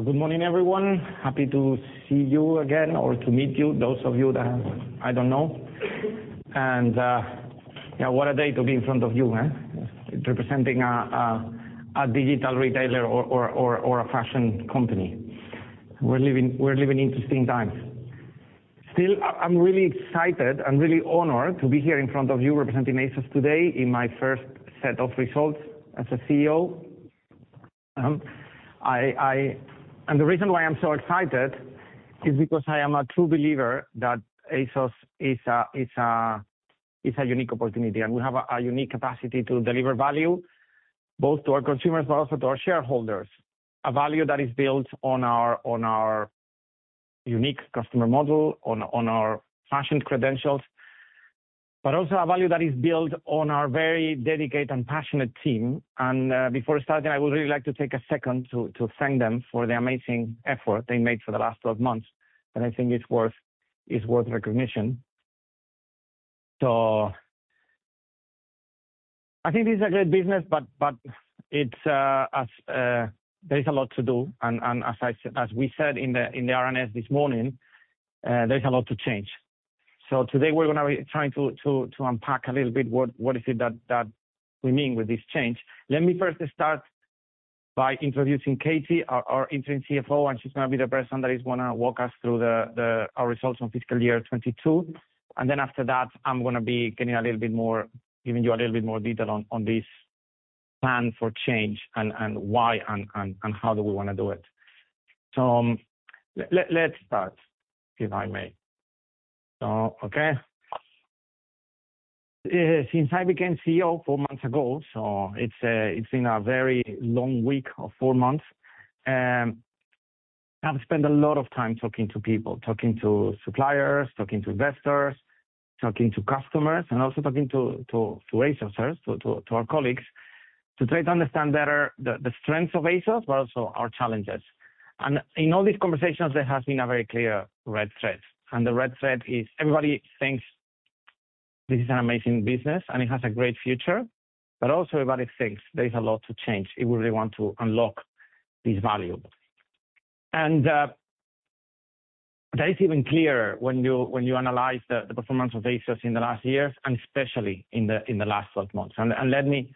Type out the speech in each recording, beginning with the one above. Good morning, everyone. Happy to see you again or to meet you, those of you that I don't know. What a day to be in front of you, eh? Representing a digital retailer or a fashion company. We're living interesting times. I'm really excited and really honored to be here in front of you representing ASOS today in my first set of results as a CEO. The reason why I'm so excited is because I am a true believer that ASOS is a unique opportunity, and we have a unique capacity to deliver value both to our consumers, but also to our shareholders. A value that is built on our unique customer model, on our fashion credentials, but also a value that is built on our very dedicated and passionate team. Before starting, I would really like to take a second to thank them for the amazing effort they made for the last 12 months, and I think it's worth recognition. I think this is a great business, but there is a lot to do. As we said in the RNS this morning, there's a lot to change. Today, we're gonna be trying to unpack a little bit what is it that we mean with this change. Let me first start by introducing Katy, our interim CFO, and she's gonna be the person that is gonna walk us through our results on FY 22. After that, I'm gonna be giving you a little bit more detail on this plan for change and how do we wanna do it. Let's start, if I may. Okay. Since I became CEO four months ago, so it's been a very long week of four months. I've spent a lot of time talking to people, talking to suppliers, talking to investors, talking to customers, and also talking to ASOSers, so to our colleagues, to try to understand better the strengths of ASOS, but also our challenges. In all these conversations, there has been a very clear red thread, and the red thread is everybody thinks this is an amazing business, and it has a great future. Also everybody thinks there is a lot to change if we really want to unlock this value. That is even clearer when you analyze the performance of ASOS in the last years, and especially in the last 12 months. Let me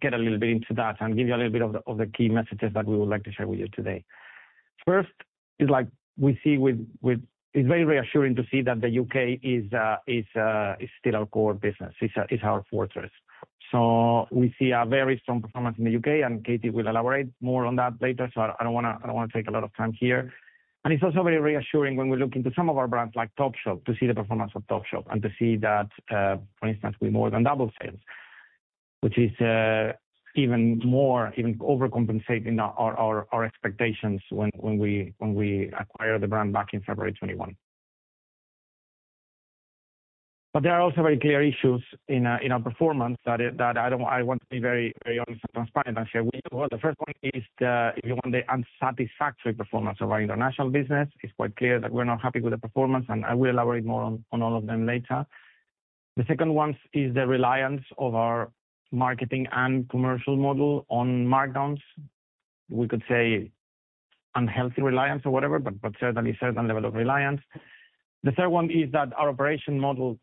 get a little bit into that and give you a little bit of the key messages that we would like to share with you today. First is, it's very reassuring to see that the U.K. is still our core business. It's our fortress. We see a very strong performance in the U.K., and Katy will elaborate more on that later. I don't wanna take a lot of time here. It's also very reassuring when we look into some of our brands like Topshop to see the performance of Topshop and to see that, for instance, we more than doubled sales, which is even more, even overcompensating our expectations when we acquired the brand back in February 2021. There are also very clear issues in our performance that I want to be very, very honest and transparent and share with you all. The first point is, if you want, the unsatisfactory performance of our international business. It's quite clear that we're not happy with the performance, and I will elaborate more on all of them later. The second one is the reliance of our marketing and commercial model on markdowns. We could say unhealthy reliance or whatever, but certainly certain level of reliance. The third one is that our operation model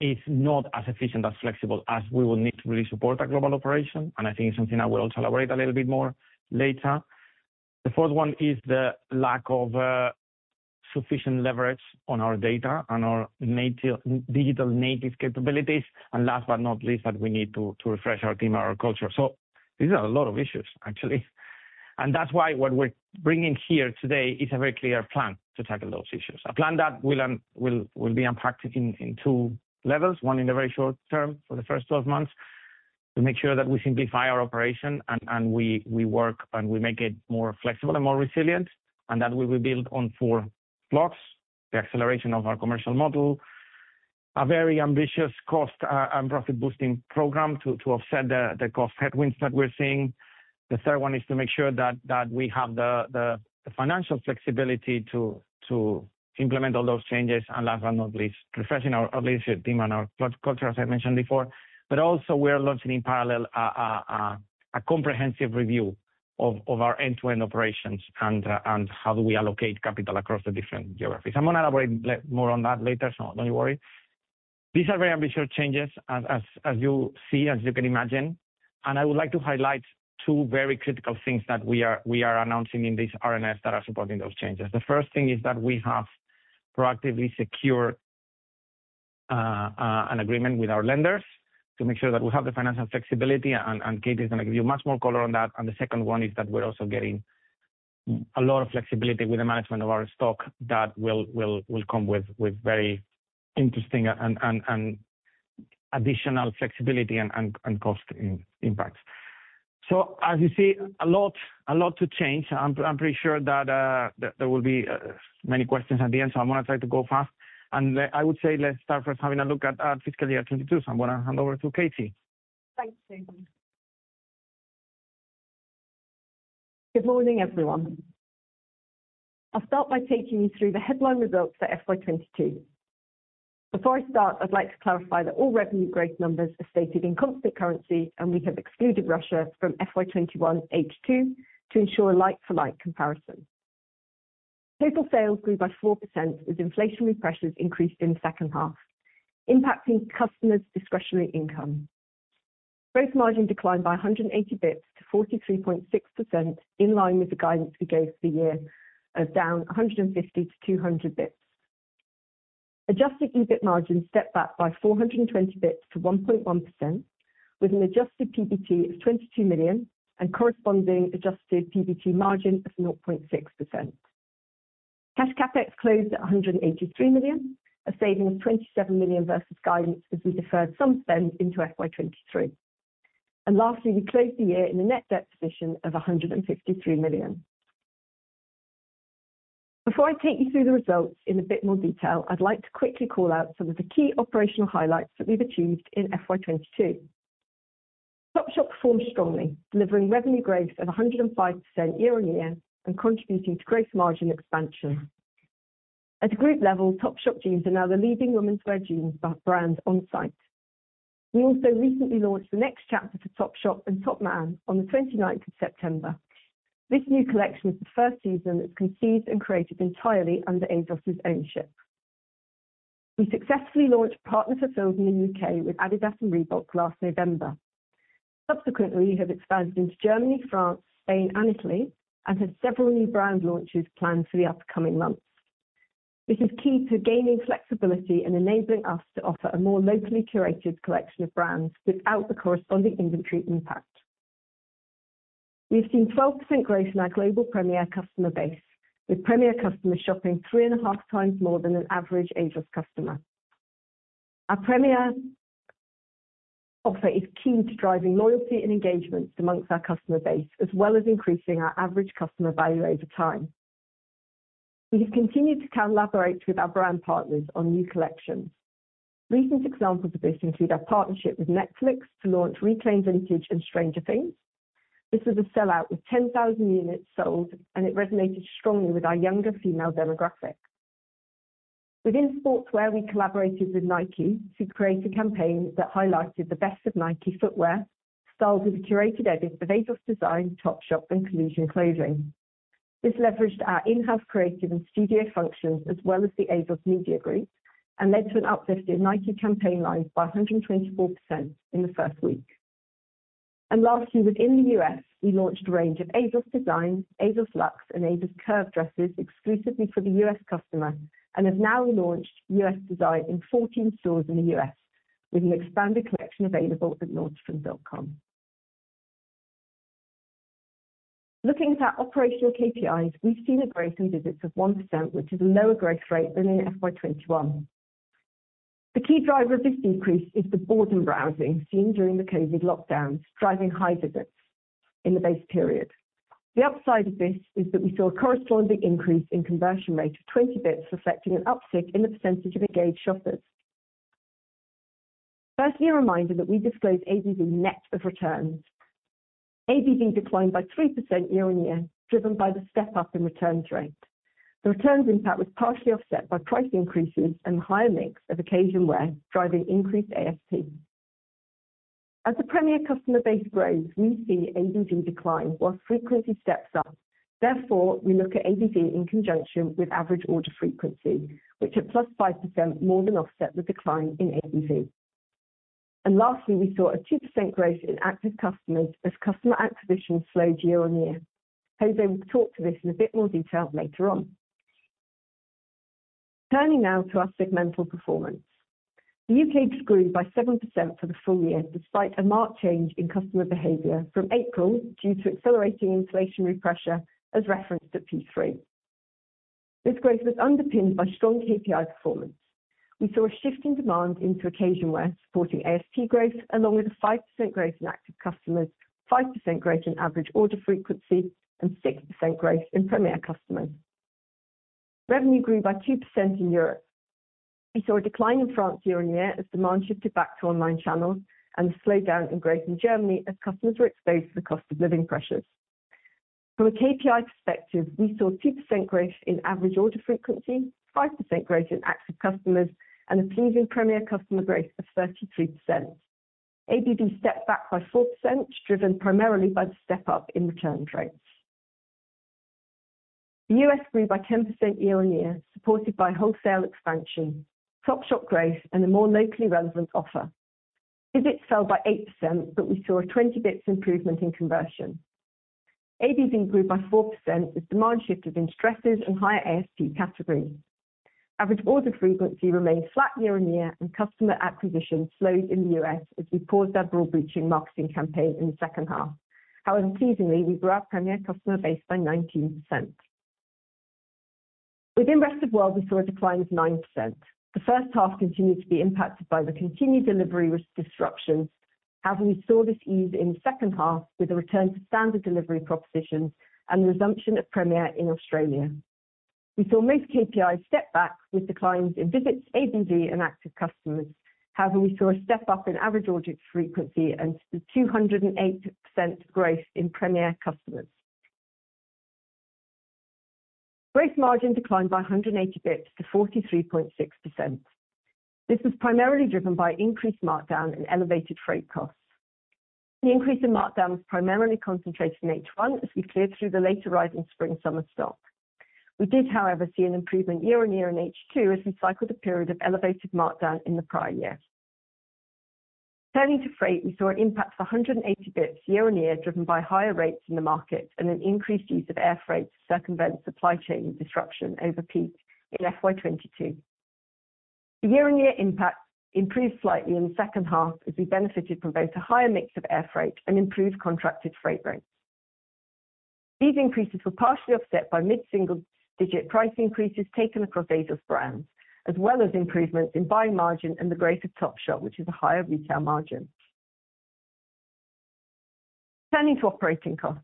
is not as efficient, as flexible as we will need to really support a global operation, and I think it's something I will also elaborate a little bit more later. The fourth one is the lack of sufficient leverage on our data and our digital native capabilities. And last but not least, that we need to refresh our team and our culture. These are a lot of issues, actually, and that's why what we're bringing here today is a very clear plan to tackle those issues. A plan that will be unpacked in two levels, one in the very short term for the first 12 months, to make sure that we simplify our operation and we work and we make it more flexible and more resilient. That we will build on four blocks, the acceleration of our commercial model, a very ambitious cost and profit boosting program to offset the cost headwinds that we're seeing. The third one is to make sure that we have the financial flexibility to implement all those changes. Last but not least, refreshing our leadership team and our culture, as I mentioned before. Also we are launching in parallel a comprehensive review of our end-to-end operations and how do we allocate capital across the different geographies. I'm gonna elaborate more on that later, so don't worry. These are very ambitious changes as you see, as you can imagine, and I would like to highlight two very critical things that we are announcing in this RNS that are supporting those changes. The first thing is that we have proactively secured an agreement with our lenders to make sure that we have the financial flexibility, and Katy is gonna give you much more color on that. The second one is that we're also getting a lot of flexibility with the management of our stock that will come with very interesting and additional flexibility and cost impacts. As you see, a lot to change. I'm pretty sure that there will be many questions at the end. I'm gonna try to go fast. I would say let's start first having a look at our FY22. I'm gonna hand over to Katy. Thanks, José. Good morning, everyone. I'll start by taking you through the headline results for FY22. Before I start, I'd like to clarify that all revenue growth numbers are stated in constant currency, and we have excluded Russia from FY21 H2 to ensure a like-for-like comparison. Total sales grew by 4% as inflationary pressures increased in the second half, impacting customers' discretionary income. Gross margin declined by 180 basis points to 43.6%, in line with the guidance we gave for the year of down 150-200 basis points. Adjusted EBIT margin stepped back by 420 basis points to 1.1% with an adjusted PBT of 22 million and corresponding adjusted PBT margin of 0.6%. Cash CapEx closed at 183 million, a saving of 27 million versus guidance as we deferred some spend into FY23. Lastly, we closed the year in a net debt position of 153 million. Before I take you through the results in a bit more detail, I'd like to quickly call out some of the key operational highlights that we've achieved in FY22. Topshop performed strongly, delivering revenue growth of 105% year-on-year and contributing to gross margin expansion. At a group level, Topshop jeans are now the leading womenswear jeans brand on site. We also recently launched the next chapter for Topshop and Topman on the 29th of September. This new collection was the first season that was conceived and created entirely under ASOS' ownership. We successfully launched partner fulfillment in the U.K. with Adidas and Reebok last November. Subsequently, we have expanded into Germany, France, Spain, and Italy and have several new brand launches planned for the upcoming months. This is key to gaining flexibility and enabling us to offer a more locally curated collection of brands without the corresponding inventory impact. We've seen 12% growth in our global Premier customer base, with Premier customers shopping 3.5x more than an average ASOS customer. Our Premier offer is key to driving loyalty and engagement among our customer base, as well as increasing our average customer value over time. We have continued to collaborate with our brand partners on new collections. Recent examples of this include our partnership with Netflix to launch Reclaimed Vintage and Stranger Things. This was a sellout with 10,000 units sold, and it resonated strongly with our younger female demographic. Within sportswear, we collaborated with Nike to create a campaign that highlighted the best of Nike footwear styled with a curated edit of ASOS Design, Topshop, and Collusion clothing. This leveraged our in-house creative and studio functions as well as the ASOS Media Group and led to an uplift in Nike campaign lives by 124% in the first week. Lastly, within the U.S., we launched a range of ASOS Design, ASOS Luxe, and ASOS Curve dresses exclusively for the U.S. customer and have now launched U.S. Design in 14 stores in the U.S. with an expanded collection available at nordstrom.com. Looking at our operational KPIs, we've seen a growth in visits of 1%, which is a lower growth rate than in FY21. The key driver of this decrease is the boredom browsing seen during the COVID lockdowns, driving high visits in the base period. The upside of this is that we saw a corresponding increase in conversion rate of 20 basis points, reflecting an uptick in the percentage of engaged shoppers. Firstly, a reminder that we disclose ABV net of returns. ABV declined by 3% year-over-year, driven by the step-up in returns rate. The returns impact was partially offset by price increases and the higher mix of occasion wear, driving increased ASP. As the Premier customer base grows, we see ABV decline while frequency steps up. Therefore, we look at ABV in conjunction with average order frequency, which at +5% more than offset the decline in ABV. Lastly, we saw a 2% growth in active customers as customer acquisition slowed year-on-year. José will talk to this in a bit more detail later on. Turning now to our segmental performance. The U.K. just grew by 7% for the full year, despite a marked change in customer behavior from April due to accelerating inflationary pressure, as referenced at P3. This growth was underpinned by strong KPI performance. We saw a shift in demand into occasion wear, supporting ASP growth, along with a 5% growth in active customers, 5% growth in average order frequency, and 6% growth in Premier customers. Revenue grew by 2% in Europe. We saw a decline in France year-on-year as demand shifted back to online channels and a slowdown in growth in Germany as customers were exposed to the cost of living pressures. From a KPI perspective, we saw 2% growth in average order frequency, 5% growth in active customers, and a pleasing Premier customer growth of 33%. ABV stepped back by 4%, driven primarily by the step-up in returns rates. The U.S. grew by 10% year-on-year, supported by wholesale expansion, Topshop growth, and a more locally relevant offer. Visits fell by 8%, but we saw a 20 basis points improvement in conversion. ABV grew by 4% as demand shifted in dresses and higher ASP categories. Average order frequency remained flat year-on-year, and customer acquisition slowed in the U.S. as we paused our broad-reaching marketing campaign in the second half. However, pleasingly, we grew our Premier customer base by 19%. Within the rest of world, we saw a decline of 9%. The first half continued to be impacted by the continued delivery disruptions, as we saw this ease in the second half with a return to standard delivery propositions and the resumption of Premier in Australia. We saw most KPIs step back with declines in visits, ABV, and active customers. However, we saw a step up in average order frequency and 208% growth in Premier customers. Gross margin declined by 180 basis points to 43.6%. This was primarily driven by increased markdown and elevated freight costs. The increase in markdown was primarily concentrated in H1 as we cleared through the latter rise in spring, summer stock. We did, however, see an improvement year-on-year in H2 as we cycled a period of elevated markdown in the prior year. Turning to freight, we saw an impact of 180 basis points year-on-year, driven by higher rates in the market and an increased use of air freight to circumvent supply chain disruption over peak in FY22. The year-on-year impact improved slightly in the second half as we benefited from both a higher mix of air freight and improved contracted freight rates. These increases were partially offset by mid-single-digit price increases taken across ASOS brands, as well as improvements in buying margin and the growth of Topshop, which is a higher retail margin. Turning to operating costs.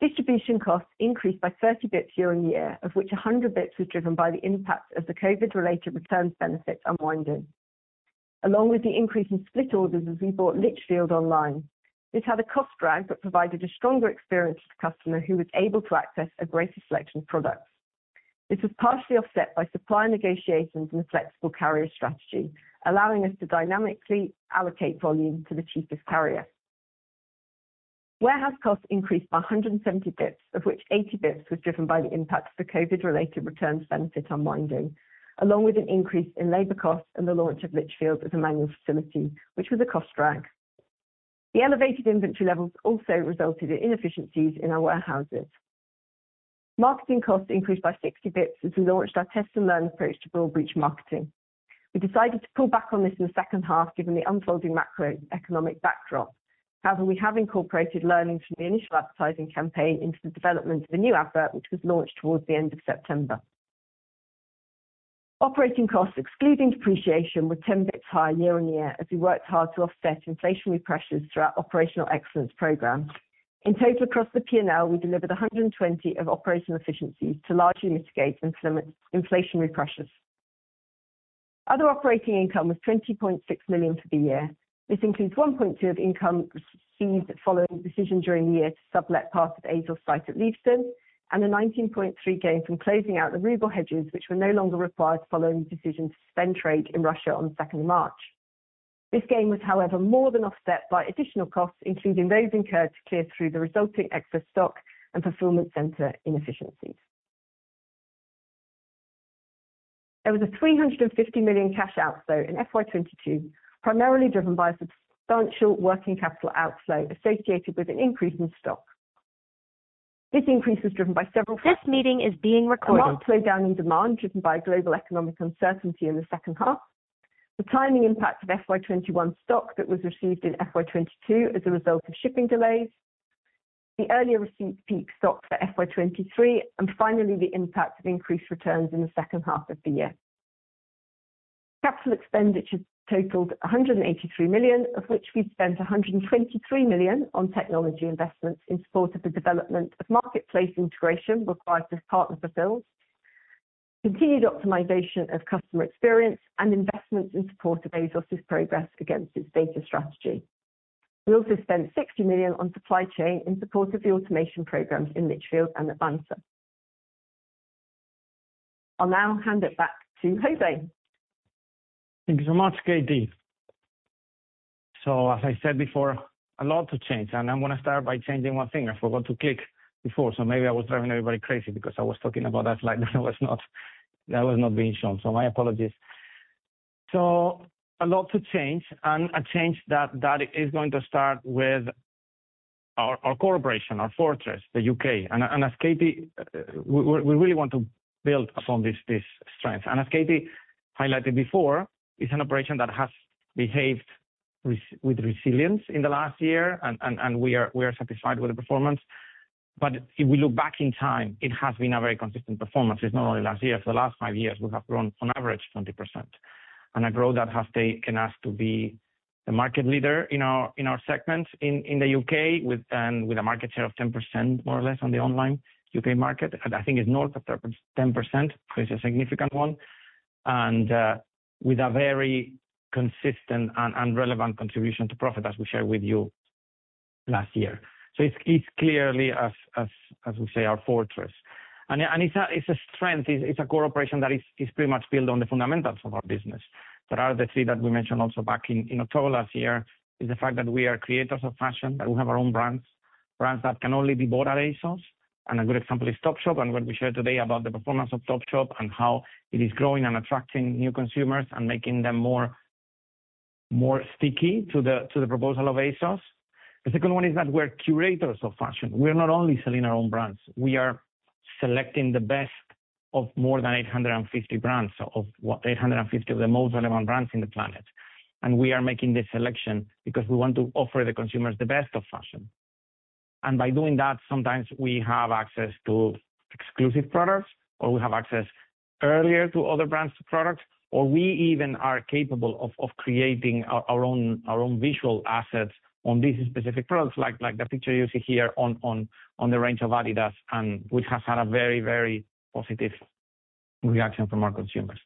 Distribution costs increased by 30 basis points year-on-year, of which 100 basis points was driven by the impact of the COVID-related returns benefit unwinding. Along with the increase in split orders as we brought Lichfield online. This had a cost drag, but provided a stronger experience to the customer who was able to access a greater selection of products. This was partially offset by supplier negotiations and a flexible carrier strategy, allowing us to dynamically allocate volume to the cheapest carrier. Warehouse costs increased by 170 basis points, of which 80 basis points was driven by the impact of the COVID related returns benefit unwinding, along with an increase in labor costs and the launch of Lichfield as a manual facility, which was a cost drag. The elevated inventory levels also resulted in inefficiencies in our warehouses. Marketing costs increased by 60 basis points as we launched our test and learn approach to broad reach marketing. We decided to pull back on this in the second half, given the unfolding macroeconomic backdrop. However, we have incorporated learnings from the initial advertising campaign into the development of the new advert, which was launched towards the end of September. Operating costs, excluding depreciation, were 10 basis points higher year-on-year as we worked hard to offset inflationary pressures through our operational excellence program. In total, across the P&L, we delivered 120 of operational efficiencies to largely mitigate and limit inflationary pressures. Other operating income was 20.6 million for the year. This includes 1.2 million of income received following the decision during the year to sublet part of ASOS site at Lea Valley, and a 19.3 million gain from closing out the ruble hedges, which were no longer required following the decision to suspend trade in Russia on second March. This gain was, however, more than offset by additional costs, including those incurred to clear through the resulting excess stock and fulfillment center inefficiencies. There was a 350 million cash outflow in FY22, primarily driven by substantial working capital outflow associated with an increase in stock. This increase was driven by several factors. This meeting is being recorded. A marked slowdown in demand driven by global economic uncertainty in the second half. The timing impact of FY21 stock that was received in FY22 as a result of shipping delays. The earlier receipt peak stock for FY23, and finally, the impact of increased returns in the second half of the year. CapEx totaled 183 million, of which we spent 123 million on technology investments in support of the development of marketplace integration required as Partner Fulfils, continued optimization of customer experience, and investments in support of ASOS' progress against its data strategy. We also spent 60 million on supply chain in support of the automation programs in Lichfield and Atlanta. I'll now hand it back to José. Thank you so much, Katy. As I said before, a lot to change, and I'm gonna start by changing one thing. I forgot to click before, so maybe I was driving everybody crazy because I was talking about a slide that was not being shown. My apologies. A lot to change and a change that is going to start with our corporation, our fortress, the U.K.. As Katy... We really want to build upon this strength. As Katy highlighted before, it's an operation that has behaved with resilience in the last year, and we are satisfied with the performance. If we look back in time, it has been a very consistent performance. It's not only last year. For the last five years, we have grown on average 20%. a growth that has taken us to be the market leader in our segment in the U.K. With a market share of 10% more or less on the online U.K. market. I think it's north of 10%, so it's a significant one. with a very consistent and relevant contribution to profit as we shared with you last year. it's clearly, as we say, our fortress. it's a strength, it's a core operation that is pretty much built on the fundamentals of our business. That are the three that we mentioned also back in October last year, is the fact that we are creators of fashion, that we have our own brands that can only be bought at ASOS. A good example is Topshop and what we shared today about the performance of Topshop and how it is growing and attracting new consumers and making them more sticky to the proposal of ASOS. The second one is that we're curators of fashion. We are not only selling our own brands. We are selecting the best of more than 850 brands. So of what? 850 of the most relevant brands on the planet. We are making the selection because we want to offer the consumers the best of fashion. By doing that, sometimes we have access to exclusive products, or we have access earlier to other brands' products, or we even are capable of creating our own visual assets on these specific products, like the picture you see here on the range of Adidas, which has had a very positive reaction from our consumers.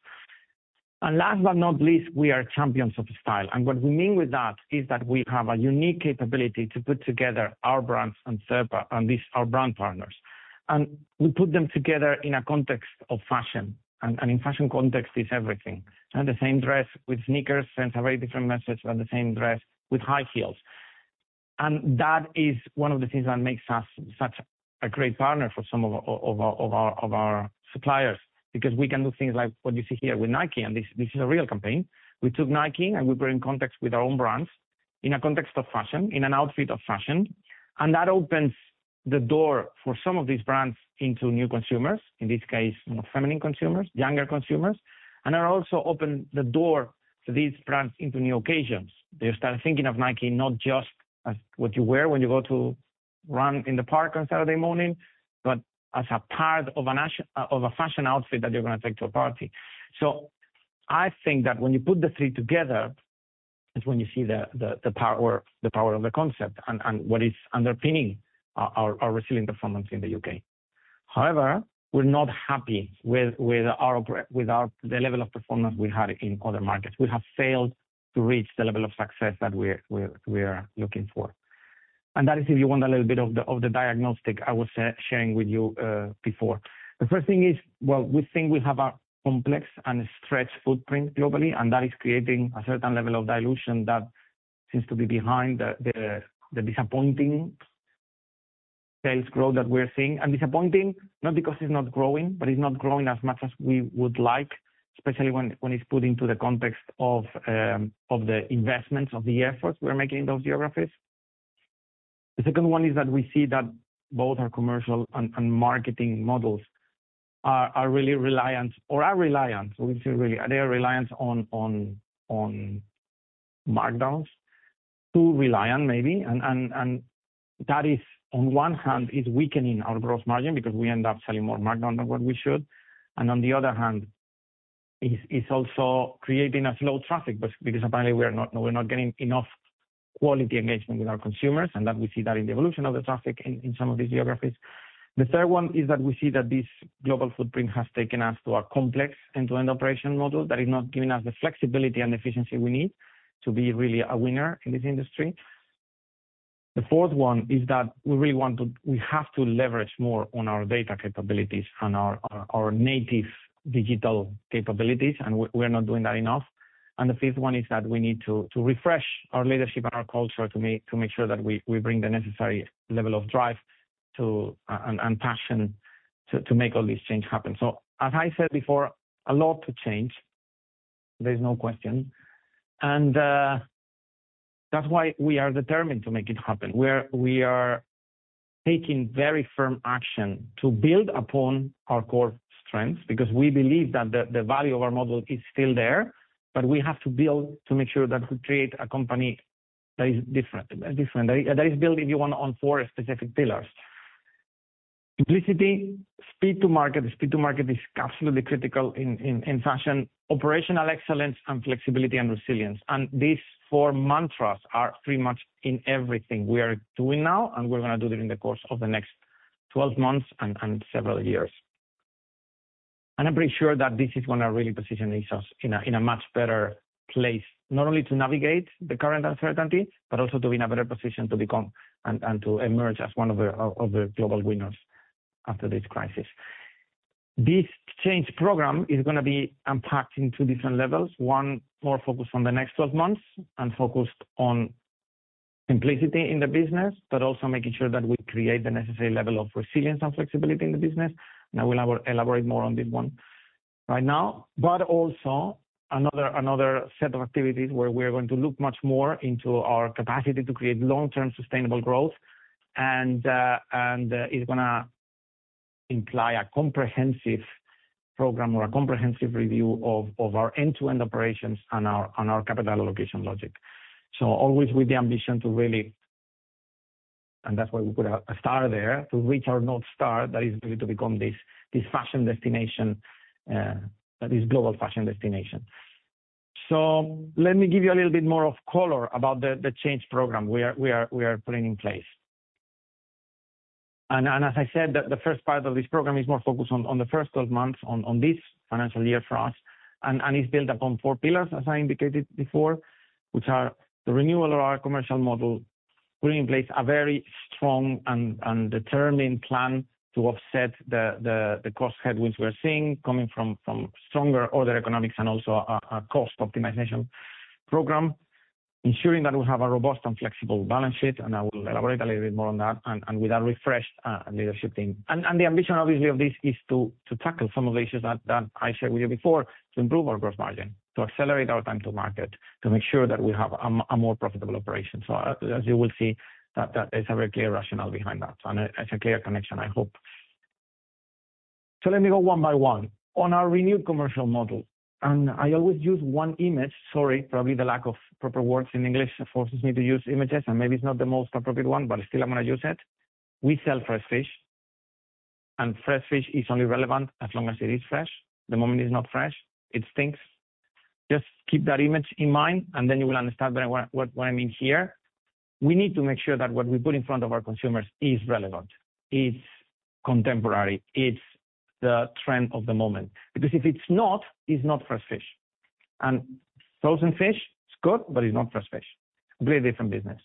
Last but not least, we are champions of style. What we mean with that is that we have a unique capability to put together our brands and [Cerpa] and these, our brand partners. We put them together in a context of fashion, and in fashion context is everything. The same dress with sneakers sends a very different message than the same dress with high heels. That is one of the things that makes us such a great partner for some of our suppliers, because we can do things like what you see here with Nike, and this is a real campaign. We took Nike, and we bring context with our own brands in a context of fashion, in an outfit of fashion, and that opens the door for some of these brands into new consumers, in this case, more feminine consumers, younger consumers. It also open the door to these brands into new occasions. They start thinking of Nike not just as what you wear when you go to run in the park on Saturday morning, but as a part of a fashion outfit that you're gonna take to a party. I think that when you put the three together, is when you see the power of the concept and what is underpinning our resilient performance in the U.K.. However, we're not happy with the level of performance we had in other markets. We have failed to reach the level of success that we're looking for. That is, if you want a little bit of the diagnostic I was sharing with you before. The first thing is, well, we think we have a complex and stretched footprint globally, and that is creating a certain level of dilution that seems to be behind the disappointing sales growth that we're seeing. Disappointing, not because it's not growing, but it's not growing as much as we would like, especially when it's put into the context of the investments, of the efforts we're making in those geographies. The second one is that we see that both our commercial and marketing models are really reliant on markdowns. Too reliant, maybe, and that is on one hand weakening our gross margin because we end up selling more markdown than what we should. On the other hand, is also creating a slow traffic, because apparently we're not getting enough quality engagement with our consumers, and that we see in the evolution of the traffic in some of these geographies. The third one is that we see that this global footprint has taken us to a complex end-to-end operation model that is not giving us the flexibility and efficiency we need to be really a winner in this industry. The fourth one is that we really want to, we have to leverage more on our data capabilities and our native digital capabilities, and we're not doing that enough. The fifth one is that we need to refresh our leadership and our culture to make sure that we bring the necessary level of drive and passion to make all these change happen. As I said before, a lot to change. There's no question. That's why we are determined to make it happen. We are taking very firm action to build upon our core strengths because we believe that the value of our model is still there, but we have to build to make sure that we create a company that is different. That is built, if you want, on four specific pillars. Simplicity, speed to market is absolutely critical in fashion, operational excellence, and flexibility and resilience. These four mantras are pretty much in everything we are doing now, and we're gonna do it in the course of the next twelve months and several years. I'm pretty sure that this is gonna really position us in a much better place, not only to navigate the current uncertainty, but also to be in a better position to become and to emerge as one of the global winners after this crisis. This change program is gonna be unpacked in two different levels. One, more focused on the next twelve months and focused on simplicity in the business, but also making sure that we create the necessary level of resilience and flexibility in the business. I will elaborate more on this one right now. Another set of activities where we're going to look much more into our capacity to create long-term sustainable growth, and is gonna imply a comprehensive program or a comprehensive review of our end-to-end operations and our capital allocation logic. Always with the ambition to really, and that's why we put a star there, to reach our North Star, that is really to become this fashion destination that is global fashion destination. Let me give you a little bit more of color about the change program we are putting in place. As I said, the first part of this program is more focused on the first 12 months on this financial year for us. It's built upon four pillars, as I indicated before, which are the renewal of our commercial model, putting in place a very strong and determined plan to offset the cost headwinds we're seeing coming from stronger order economics and also a cost optimization program. Ensuring that we have a robust and flexible balance sheet, and I will elaborate a little bit more on that, and with a refreshed leadership team. The ambition obviously of this is to tackle some of the issues that I shared with you before, to improve our gross margin, to accelerate our time to market, to make sure that we have a more profitable operation. As you will see, that is a very clear rationale behind that, and it's a clear connection, I hope. Let me go one by one. On our renewed commercial model, and I always use one image, sorry, probably the lack of proper words in English forces me to use images, and maybe it's not the most appropriate one, but still I'm gonna use it. We sell fresh fish, and fresh fish is only relevant as long as it is fresh. The moment it's not fresh, it stinks. Just keep that image in mind, and then you will understand better what I mean here. We need to make sure that what we put in front of our consumers is relevant, it's contemporary, it's the trend of the moment. If it's not, it's not fresh fish. Frozen fish, it's good, but it's not fresh fish. Really different business.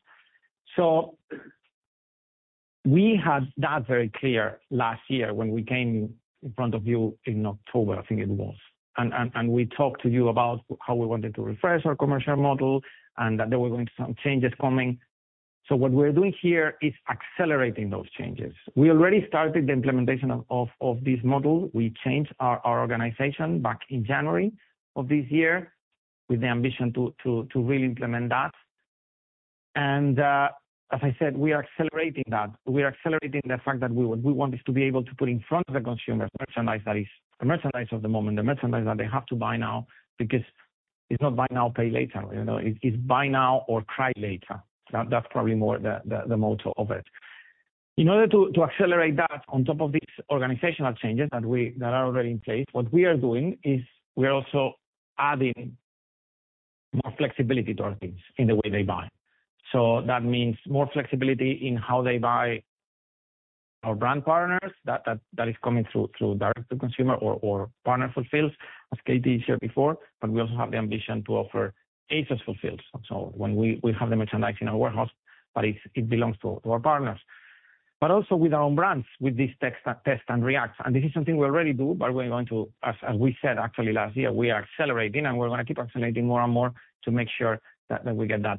We had that very clear last year when we came in front of you in October, I think it was, and we talked to you about how we wanted to refresh our commercial model, and that there were going to be some changes coming. What we're doing here is accelerating those changes. We already started the implementation of this model. We changed our organization back in January of this year with the ambition to really implement that. As I said, we are accelerating that. We are accelerating the fact that we want us to be able to put in front of the consumer merchandise that is the merchandise of the moment, the merchandise that they have to buy now because it's not buy now, pay later. You know, it's buy now or cry later. That's probably more the motto of it. In order to accelerate that on top of these organizational changes that are already in place, what we are doing is we are also adding more flexibility to our things in the way they buy. That means more flexibility in how they buy our brand partners that is coming through direct to consumer or partner fulfils, as Katy shared before. We also have the ambition to offer ASOS Fulfils. When we have the merchandise in our warehouse, but it belongs to our partners. Also with our own brands, with this Test & React. This is something we already do, but we're going to, as we said actually last year, we are accelerating, and we're gonna keep accelerating more and more to make sure that we get that.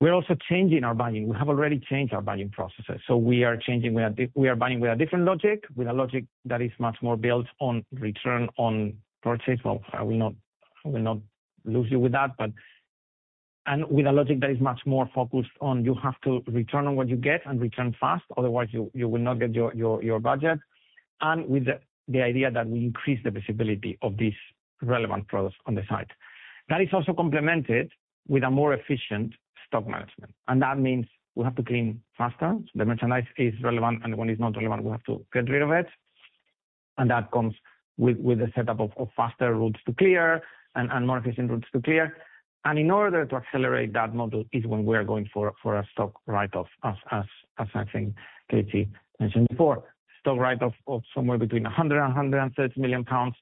We're also changing our buying. We have already changed our buying processes. We are changing. We are buying with a different logic, with a logic that is much more built on return on purchase. Well, I will not lose you with that, but. With a logic that is much more focused on you have to return on what you get and return fast, otherwise you will not get your budget, and with the idea that we increase the visibility of these relevant products on the site. That is also complemented with a more efficient stock management, and that means we have to clean faster. The merchandise is relevant, and when it's not relevant, we have to get rid of it. That comes with a setup of faster routes to clear and more efficient routes to clear. In order to accelerate that model is when we are going for a stock write-off, as I think Katy mentioned before. Stock write-off of somewhere between 100 million and 130 million pounds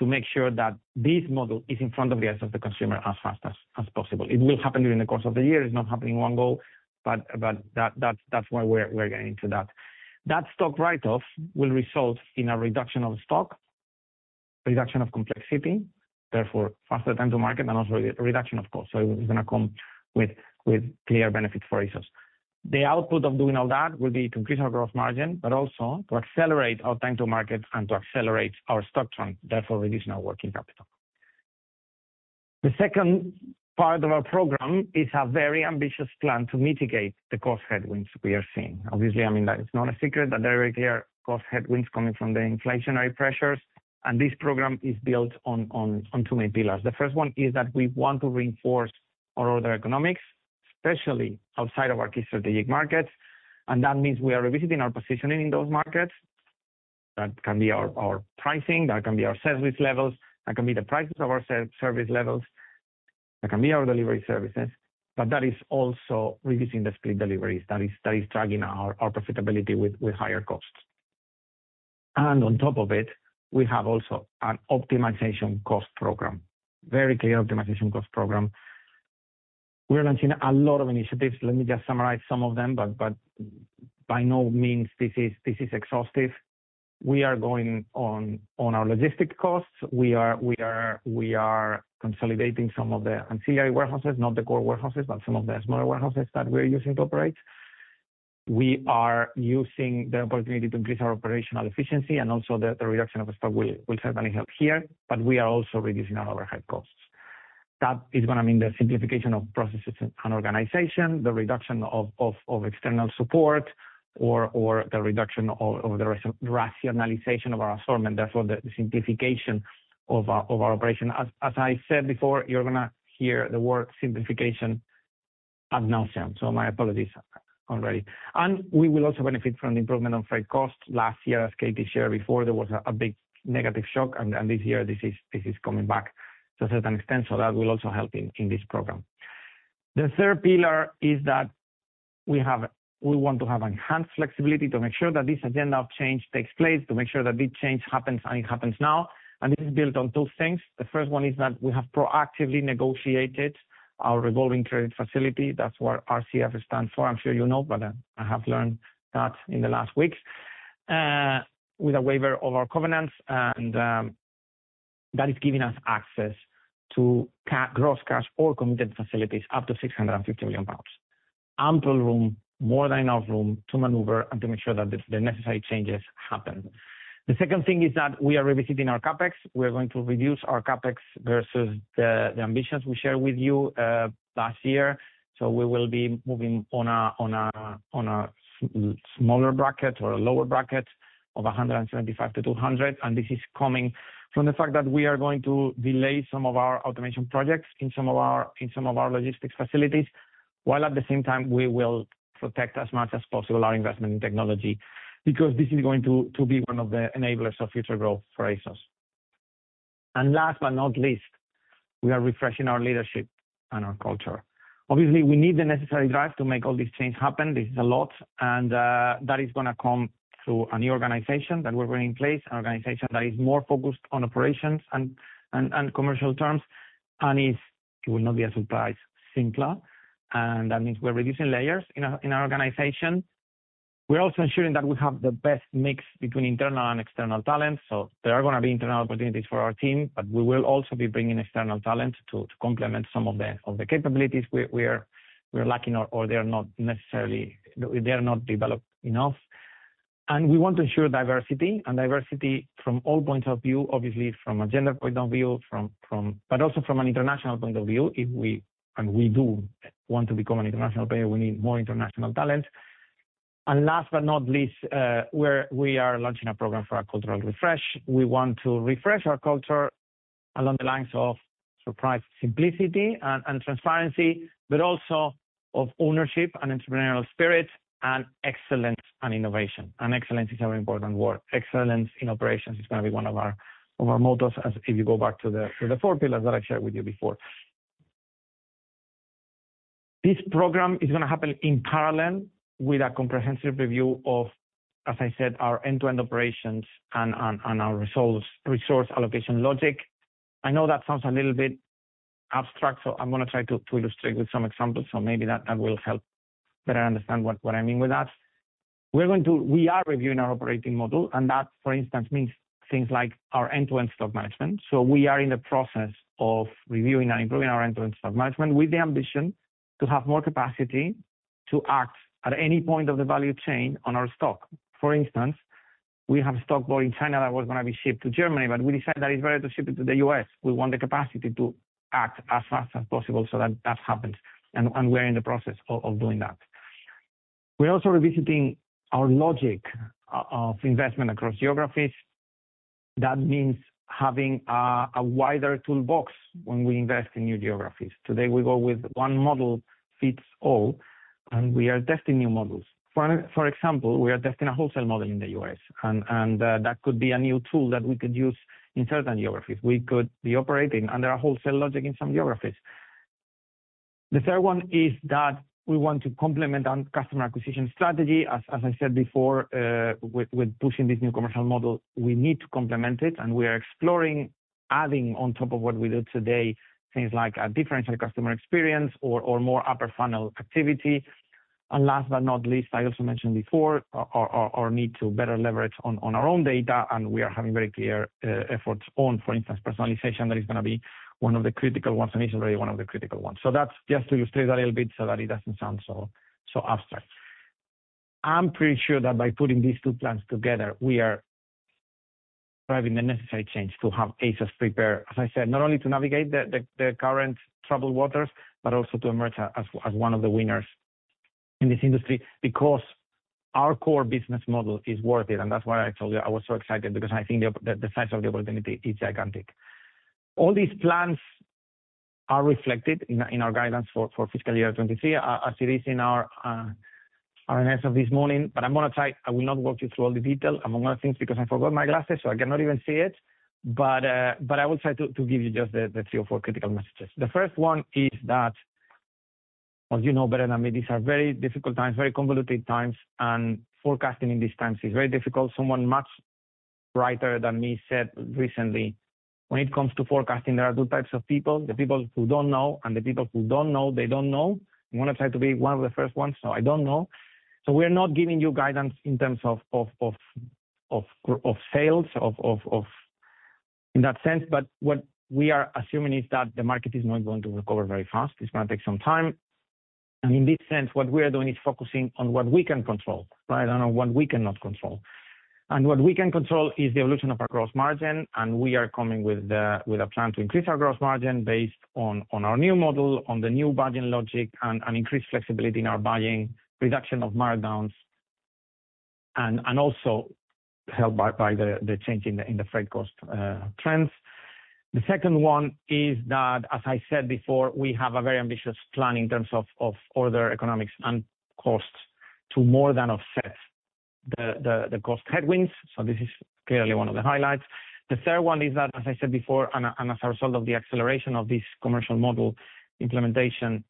to make sure that this model is in front of the eyes of the consumer as fast as possible. It will happen during the course of the year. It's not happening in one go. That that's why we're getting into that. That stock write-off will result in a reduction of stock, reduction of complexity, therefore faster time to market and also a reduction of cost. So it is gonna come with clear benefit for ASOS. The output of doing all that will be to increase our gross margin, but also to accelerate our time to market and to accelerate our stock turn, therefore reducing our working capital. The second part of our program is a very ambitious plan to mitigate the cost headwinds we are seeing. Obviously, I mean, that is not a secret that there are very clear cost headwinds coming from the inflationary pressures, and this program is built on two main pillars. The first one is that we want to reinforce our order economics, especially outside of our key strategic markets. That means we are revisiting our positioning in those markets. That can be our pricing. That can be our service levels. That can be the prices of our service levels. That can be our delivery services. That is also reducing the split deliveries that is dragging our profitability with higher costs. On top of it, we have also an optimization cost program. Very clear optimization cost program. We are launching a lot of initiatives. Let me just summarize some of them, but by no means this is exhaustive. We are going on our logistics costs. We are consolidating some of the ancillary warehouses, not the core warehouses, but some of the smaller warehouses that we're using to operate. We are using the opportunity to increase our operational efficiency and also the reduction of stock will certainly help here, but we are also reducing our overhead costs. That is gonna mean the simplification of processes and organization, the reduction of external support or the reduction of the rationalization of our assortment, therefore the simplification of our operation. As I said before, you're gonna hear the word simplification ad nauseam. So my apologies already. We will also benefit from the improvement on freight costs. Last year, as Katy shared before, there was a big negative shock and this year this is coming back to a certain extent, so that will also help in this program. The third pillar is that we want to have enhanced flexibility to make sure that this agenda of change takes place, to make sure that this change happens and it happens now. This is built on two things. The first one is that we have proactively negotiated our revolving credit facility. That's what RCF stands for. I'm sure you know, but I have learned that in the last weeks. With a waiver of our covenants and that is giving us access to gross cash or committed facilities up to 650 million pounds. Ample room, more than enough room to maneuver and to make sure that the necessary changes happen. The second thing is that we are revisiting our CapEx. We're going to reduce our CapEx versus the ambitions we shared with you last year. We will be moving on a smaller bracket or a lower bracket of 175-200, and this is coming from the fact that we are going to delay some of our automation projects in some of our logistics facilities, while at the same time we will protect as much as possible our investment in technology, because this is going to be one of the enablers of future growth for ASOS. Last but not least, we are refreshing our leadership and our culture. Obviously, we need the necessary drive to make all this change happen. This is a lot, and that is gonna come through a new organization that we're putting in place, an organization that is more focused on operations and commercial terms and is, it will not be a surprise, simpler. That means we're reducing layers in our organization. We're also ensuring that we have the best mix between internal and external talent. There are gonna be internal opportunities for our team, but we will also be bringing external talent to complement some of the capabilities we're lacking or they're not developed enough. We want to ensure diversity, and diversity from all points of view, obviously from a gender point of view, but also from an international point of view. If we, and we do want to become an international player, we need more international talent. Last but not least, we're, we are launching a program for our cultural refresh. We want to refresh our culture along the lines of, surprise, simplicity and transparency, but also of ownership and entrepreneurial spirit and excellence and innovation. Excellence is a very important word. Excellence in operations is gonna be one of our mottos as if you go back to the four pillars that I shared with you before. This program is gonna happen in parallel with a comprehensive review of, as I said, our end-to-end operations and our resource allocation logic. I know that sounds a little bit abstract, so I'm gonna try to illustrate with some examples so maybe that will help better understand what I mean with that. We are reviewing our operating model and that, for instance, means things like our end-to-end stock management. We are in the process of reviewing and improving our end-to-end stock management with the ambition to have more capacity to act at any point of the value chain on our stock. For instance, we have stock going China that was gonna be shipped to Germany, but we decided that it's better to ship it to the U.S. We want the capacity to act as fast as possible so that that happens, and we're in the process of doing that. We're also revisiting our logic of investment across geographies. That means having a wider toolbox when we invest in new geographies. Today, we go with one model fits all, and we are testing new models. For example, we are testing a wholesale model in the U.S. and that could be a new tool that we could use in certain geographies. We could be operating under a wholesale logic in some geographies. The third one is that we want to complement our customer acquisition strategy. As I said before, with pushing this new commercial model, we need to complement it and we are exploring adding on top of what we do today, things like a differentiated customer experience or more upper funnel activity. Last but not least, I also mentioned before our need to better leverage on our own data and we are having very clear efforts on, for instance, personalization. That is gonna be one of the critical ones, and it's already one of the critical ones. That's just to illustrate a little bit so that it doesn't sound so abstract. I'm pretty sure that by putting these two plans together, we are driving the necessary change to have ASOS prepare, as I said, not only to navigate the current troubled waters, but also to emerge as one of the winners in this industry because our core business model is worth it. That's why I told you I was so excited because I think the size of the opportunity is gigantic. All these plans are reflected in our guidance for FY23, as it is in our announcement this morning. I will not walk you through all the detail, among other things because I forgot my glasses, so I cannot even see it. I will try to give you just the three or four critical messages. The first one is that, as you know better than me, these are very difficult times, very convoluted times, and forecasting in these times is very difficult. Someone much brighter than me said recently, "When it comes to forecasting, there are two types of people, the people who don't know and the people who don't know they don't know." I'm gonna try to be one of the first ones, so I don't know. We are not giving you guidance in terms of sales in that sense. What we are assuming is that the market is not going to recover very fast. It's gonna take some time. In this sense, what we are doing is focusing on what we can control, right? On what we cannot control. What we can control is the evolution of our gross margin, and we are coming with a plan to increase our gross margin based on our new model, on the new buying logic and increased flexibility in our buying, reduction of markdowns and also helped by the change in the freight cost trends. The second one is that, as I said before, we have a very ambitious plan in terms of order economics and costs to more than offset the cost headwinds, so this is clearly one of the highlights. The third one is that, as I said before, and as a result of the acceleration of this commercial model implementation,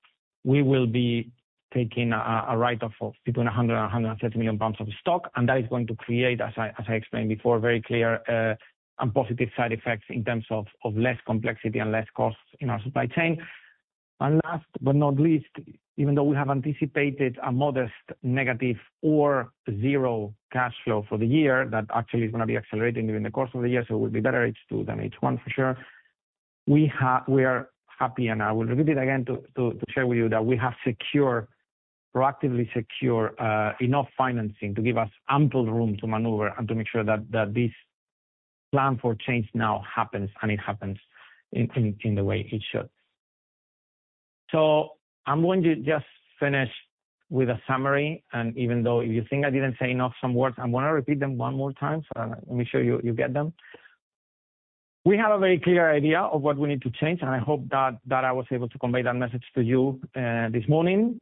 we will be taking a write-off of between 100 million and 130 million pounds of stock, and that is going to create, as I explained before, very clear and positive side effects in terms of less complexity and less costs in our supply chain. Last but not least, even though we have anticipated a modest negative or zero cash flow for the year, that actually is gonna be accelerating during the course of the year, so it will be better H2 than H1 for sure. We are happy, and I will repeat it again to share with you that we have secure, proactively secure, enough financing to give us ample room to maneuver and to make sure that this plan for change now happens and it happens in the way it should. I'm going to just finish with a summary, and even though you think I didn't say enough some words, I'm gonna repeat them one more time, so let me show you get them. We have a very clear idea of what we need to change, and I hope that I was able to convey that message to you, this morning.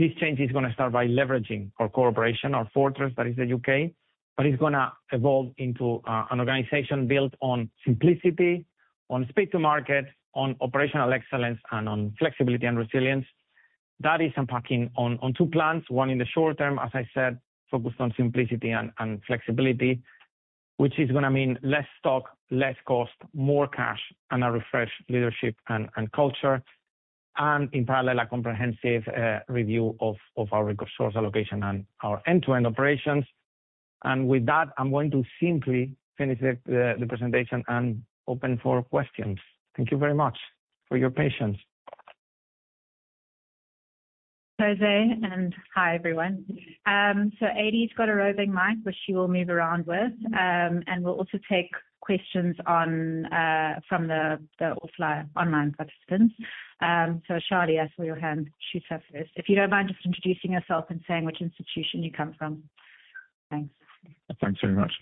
This change is gonna start by leveraging our core operations, our fortress that is the U.K., but it's gonna evolve into an organization built on simplicity, on speed to market, on operational excellence, and on flexibility and resilience. That is unpacking on two plans, one in the short term, as I said, focused on simplicity and flexibility, which is gonna mean less stock, less cost, more cash, and a refreshed leadership and culture. In parallel, a comprehensive review of our resource allocation and our end-to-end operations. With that, I'm going to simply finish the presentation and open for questions. Thank you very much for your patience. José, hi, everyone. Eddie's got a roving mic, which she will move around with, and we'll also take questions from the offline and online participants. Charlie, I saw your hand. Shoot first. If you don't mind just introducing yourself and saying which institution you come from. Thanks. Thanks very much.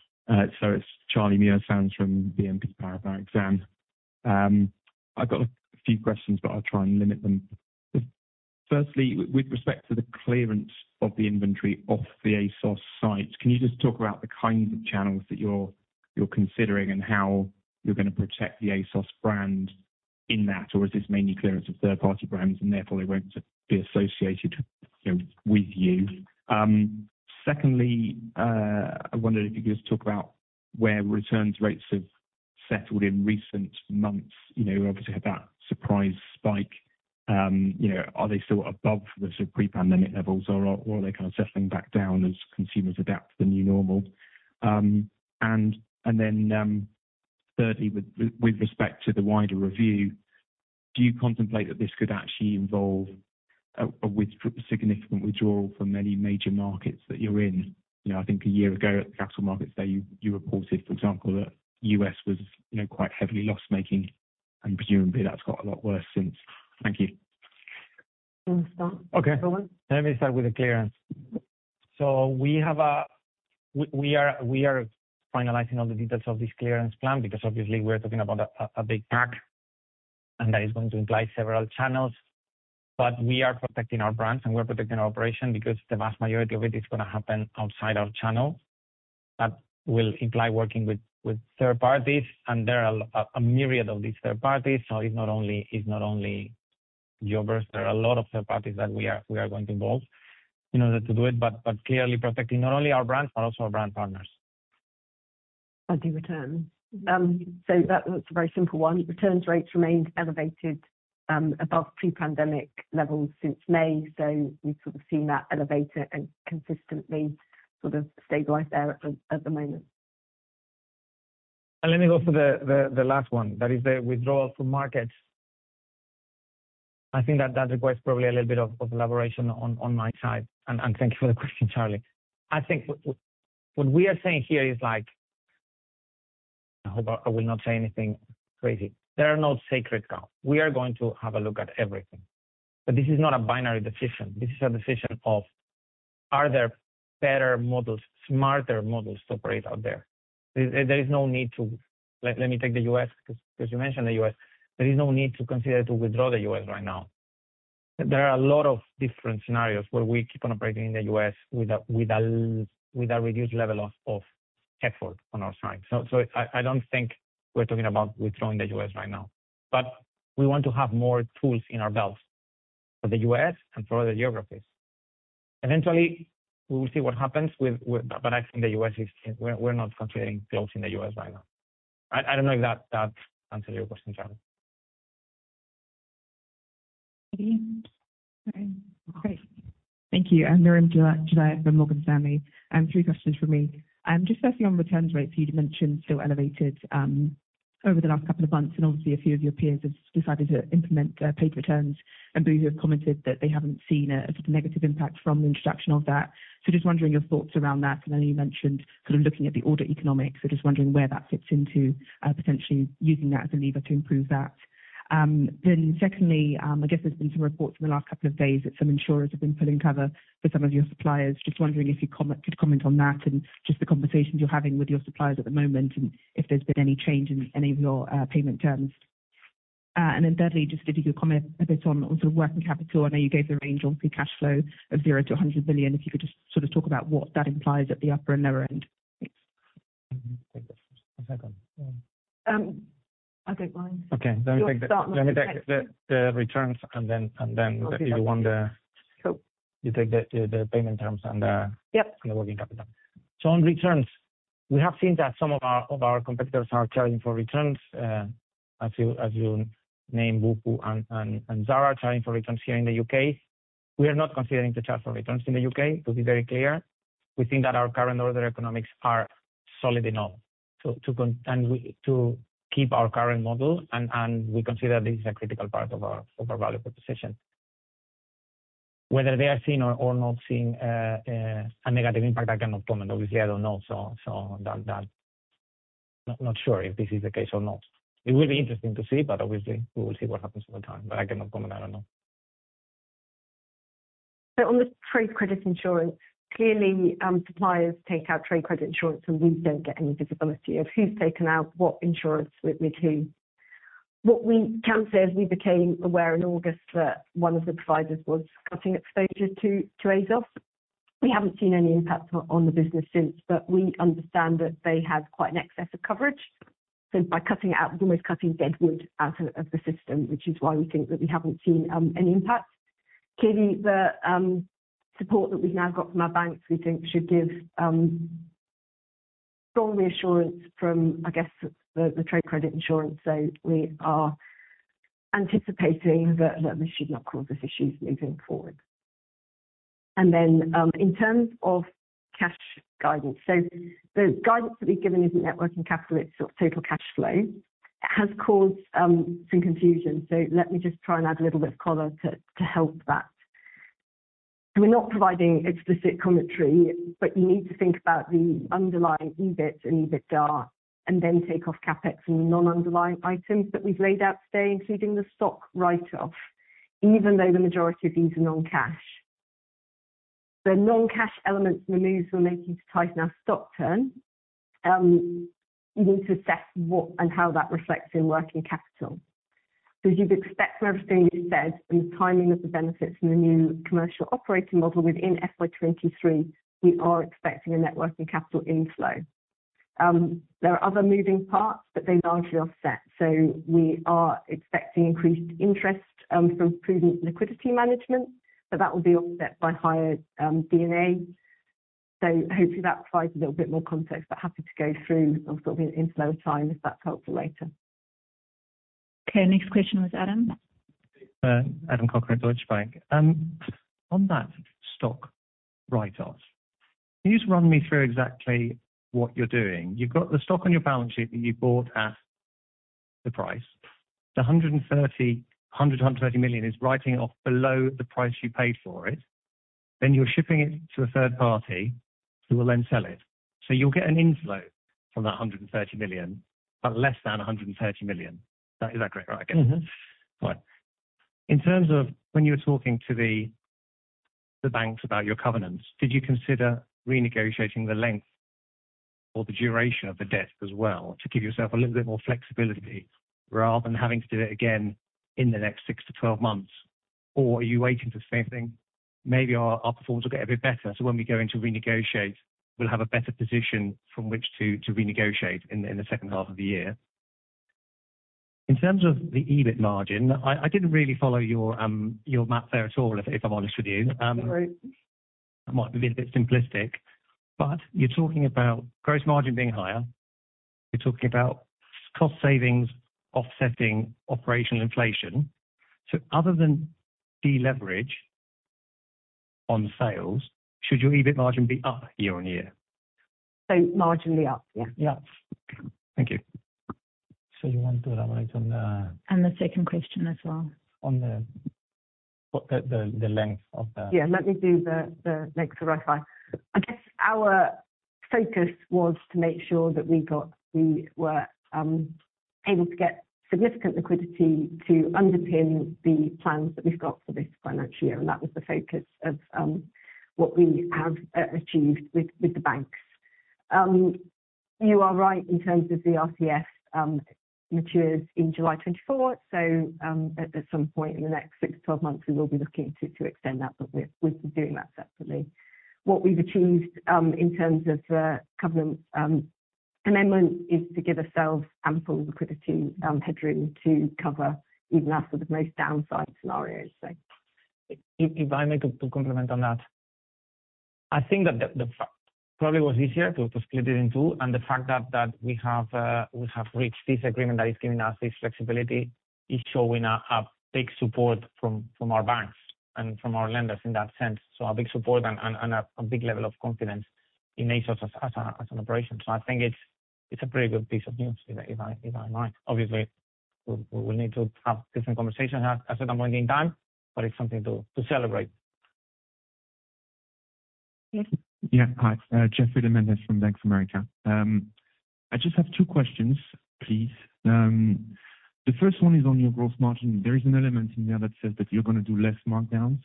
So it's Charlie Muir-Sands from BNP Paribas Exane. I've got a few questions, but I'll try and limit them. Firstly, with respect to the clearance of the inventory off the ASOS site, can you just talk about the kinds of channels that you're considering and how you're gonna protect the ASOS brand in that? Or is this mainly clearance of third-party brands, and therefore they won't be associated, you know, with you? Secondly, I wonder if you could just talk about where returns rates have settled in recent months. You know, obviously had that surprise spike. You know, are they still above the sort of pre-pandemic levels, or are they kind of settling back down as consumers adapt to the new normal? Thirdly, with respect to the wider review, do you contemplate that this could actually involve a significant withdrawal from any major markets that you're in? You know, I think a year ago at the Capital Markets Day you reported, for example, that U.S. was, you know, quite heavily loss-making, and presumably that's got a lot worse since. Thank you. Thanks, Charlie. Okay. Let me start with the clearance. We are finalizing all the details of this clearance plan because obviously we're talking about a big pack, and that is going to imply several channels. We are protecting our brands, and we're protecting our operation because the vast majority of it is gonna happen outside our channel. That will imply working with third parties, and there are a myriad of these third parties. It's not only Jobbers. There are a lot of third parties that we are going to involve in order to do it, clearly protecting not only our brands, but also our brand partners. On the return. That's a very simple one. Returns rates remained elevated above pre-pandemic levels since May. We've sort of seen that elevation and consistently sort of stabilized there at the moment. Let me go for the last one. That is the withdrawal from markets. I think that requires probably a little bit of elaboration on my side, and thank you for the question, Charlie. I think what we are saying here is, like, I hope I will not say anything crazy. There are no sacred cows. We are going to have a look at everything. But this is not a binary decision. This is a decision of, are there better models, smarter models to operate out there? There is no need to. Let me take the U.S. because you mentioned the U.S.. There is no need to consider to withdraw the U.S. right now. There are a lot of different scenarios where we keep on operating in the U.S. with a reduced level of effort on our side. I don't think we're talking about withdrawing the U.S. right now. We want to have more tools in our belt for the U.S. and for other geographies. Eventually, we will see what happens. I think the U.S.. Is. We're not considering closing the U.S. right now. I don't know if that answered your question, Charlie. Okay. Great. Thank you. I'm Miriam Josiah from Morgan Stanley. Three questions from me. Just firstly on return rates, you mentioned still elevated, over the last couple of months, and obviously, a few of your peers have decided to implement, paid returns. Boohoo have commented that they haven't seen a negative impact from the introduction of that. Just wondering your thoughts around that. I know you mentioned kind of looking at the order economics, so just wondering where that fits into, potentially using that as a lever to improve that. Secondly, I guess there's been some reports in the last couple of days that some insurers have been pulling cover for some of your suppliers. Just wondering if you could comment on that and just the conversations you're having with your suppliers at the moment and if there's been any change in any of your payment terms. And then thirdly, just if you could comment a bit on sort of working capital. I know you gave the range on free cash flow of 0-100 billion. If you could just sort of talk about what that implies at the upper and lower end. Thanks. Take those questions. One second. I don't mind. Okay. Let me take the You want to start and I'll take the second. Let me take the returns and then if you want the Sure. You take the payment terms and the- Yep. The working capital. On returns, we have seen that some of our competitors are charging for returns. As you named, Boohoo and Zara are charging for returns here in the U.K.. We are not considering to charge for returns in the U.K., to be very clear. We think that our current order economics are solid enough to keep our current model, and we consider this a critical part of our value proposition. Whether they are seeing or not seeing a negative impact, I cannot comment. Obviously, I don't know. Not sure if this is the case or not. It will be interesting to see, but obviously we will see what happens over time. I cannot comment. I don't know. On the trade credit insurance, clearly, suppliers take out trade credit insurance, and we don't get any visibility of who's taken out what insurance with who. What we can say is we became aware in August that one of the providers was cutting exposure to ASOS. We haven't seen any impact on the business since, but we understand that they have quite an excess of coverage. By cutting it out, almost cutting deadwood out of the system, which is why we think that we haven't seen any impact. Clearly, the support that we've now got from our banks, we think should give strong reassurance from, I guess, the trade credit insurance. We are anticipating that this should not cause us issues moving forward. In terms of cash guidance. The guidance that we've given isn't net working capital, it's total cash flow. It has caused some confusion. Let me just try and add a little bit of color to help that. We're not providing explicit commentary, but you need to think about the underlying EBIT and EBITDA, and then take off CapEx and the non-underlying items that we've laid out today, including the stock write-off, even though the majority of these are non-cash. The non-cash elements in the news will make you tighten our stock turn, you need to assess what and how that reflects in working capital. As you'd expect from everything we've said and the timing of the benefits from the new commercial operating model within FY23, we are expecting a net working capital inflow. There are other moving parts, but they largely offset. We are expecting increased interest from prudent liquidity management, but that will be offset by higher D&A. Hopefully that provides a little bit more context, but happy to go through sort of in flow of time, if that's helpful later. Okay, next question was Adam. Adam Cochrane, Deutsche Bank. On that stock write-off, can you just run me through exactly what you're doing? You've got the stock on your balance sheet that you bought at the price. The 100-130 million is writing off below the price you paid for it. Then you're shipping it to a third party who will then sell it. You'll get an inflow from that 130 million, but less than 130 million. Is that correct? Mm-hmm. Right. In terms of when you were talking to the banks about your covenants, did you consider renegotiating the length or the duration of the debt as well to give yourself a little bit more flexibility rather than having to do it again in the next six to 12 months? Or are you waiting for something, maybe our performance will get a bit better, so when we go in to renegotiate, we'll have a better position from which to renegotiate in the second half of the year. In terms of the EBIT margin, I didn't really follow your math there at all, if I'm honest with you. Sorry. I might be being a bit simplistic, but you're talking about gross margin being higher. You're talking about cost savings offsetting operational inflation. Other than deleverage on sales, should your EBIT margin be up year on year? Marginally up, yeah. Yeah. Thank you. You want to elaborate on the. The second question as well. On the length of the Yeah, let me do the length the right way. I guess our focus was to make sure that we were able to get significant liquidity to underpin the plans that we've got for this financial year, and that was the focus of what we have achieved with the banks. You are right in terms of the RCF matures in July 2024. At some point in the next six to 12 months, we will be looking to extend that, but we're doing that separately. What we've achieved in terms of the covenant amendment is to give ourselves ample liquidity headroom to cover even our sort of most downside scenarios. If I may comment on that. I think that the fact probably was easier to split it in two, and the fact that we have reached this agreement that is giving us this flexibility is showing a big support from our banks and from our lenders in that sense. A big support and a big level of confidence in ASOS as an operation. I think it's a pretty good piece of news if I'm right. Obviously, we will need to have a different conversation at a certain point in time, but it's something to celebrate. Yes. Yeah. Hi, Geoffroy de Mendez from Bank of America. I just have two questions, please. The first one is on your growth margin. There is an element in there that says that you're gonna do less markdowns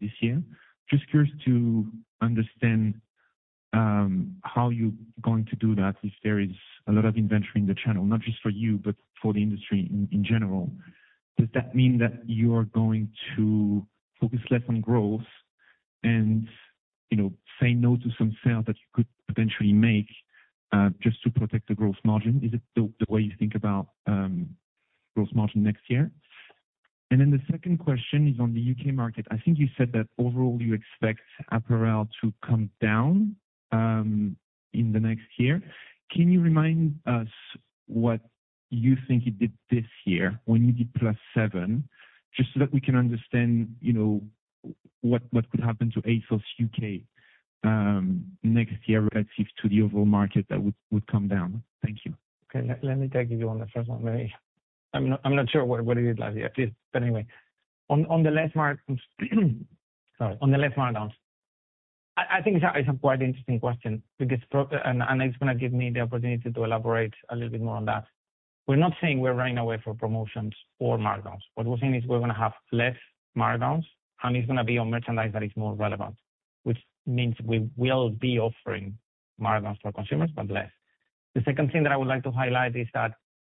this year. Just curious to understand how you going to do that if there is a lot of inventory in the channel, not just for you, but for the industry in general. Does that mean that you're going to focus less on growth and, you know, say no to some sales that you could potentially make just to protect the growth margin? Is it the way you think about growth margin next year? The second question is on the U.K. market. I think you said that overall you expect apparel to come down in the next year. Can you remind us what you think you did this year when you did +7%, just so that we can understand, you know, what could happen to ASOS U.K. next year relative to the overall market that would come down? Thank you. Okay. Let me take you on the first one. I'm not sure what it is last year. Anyway. On the less markdowns. I think it's a quite interesting question because and it's gonna give me the opportunity to elaborate a little bit more on that. We're not saying we're running away from promotions or markdowns. What we're saying is we're gonna have less markdowns, and it's gonna be on merchandise that is more relevant. Which means we will be offering margins for consumers, but less. The second thing that I would like to highlight is that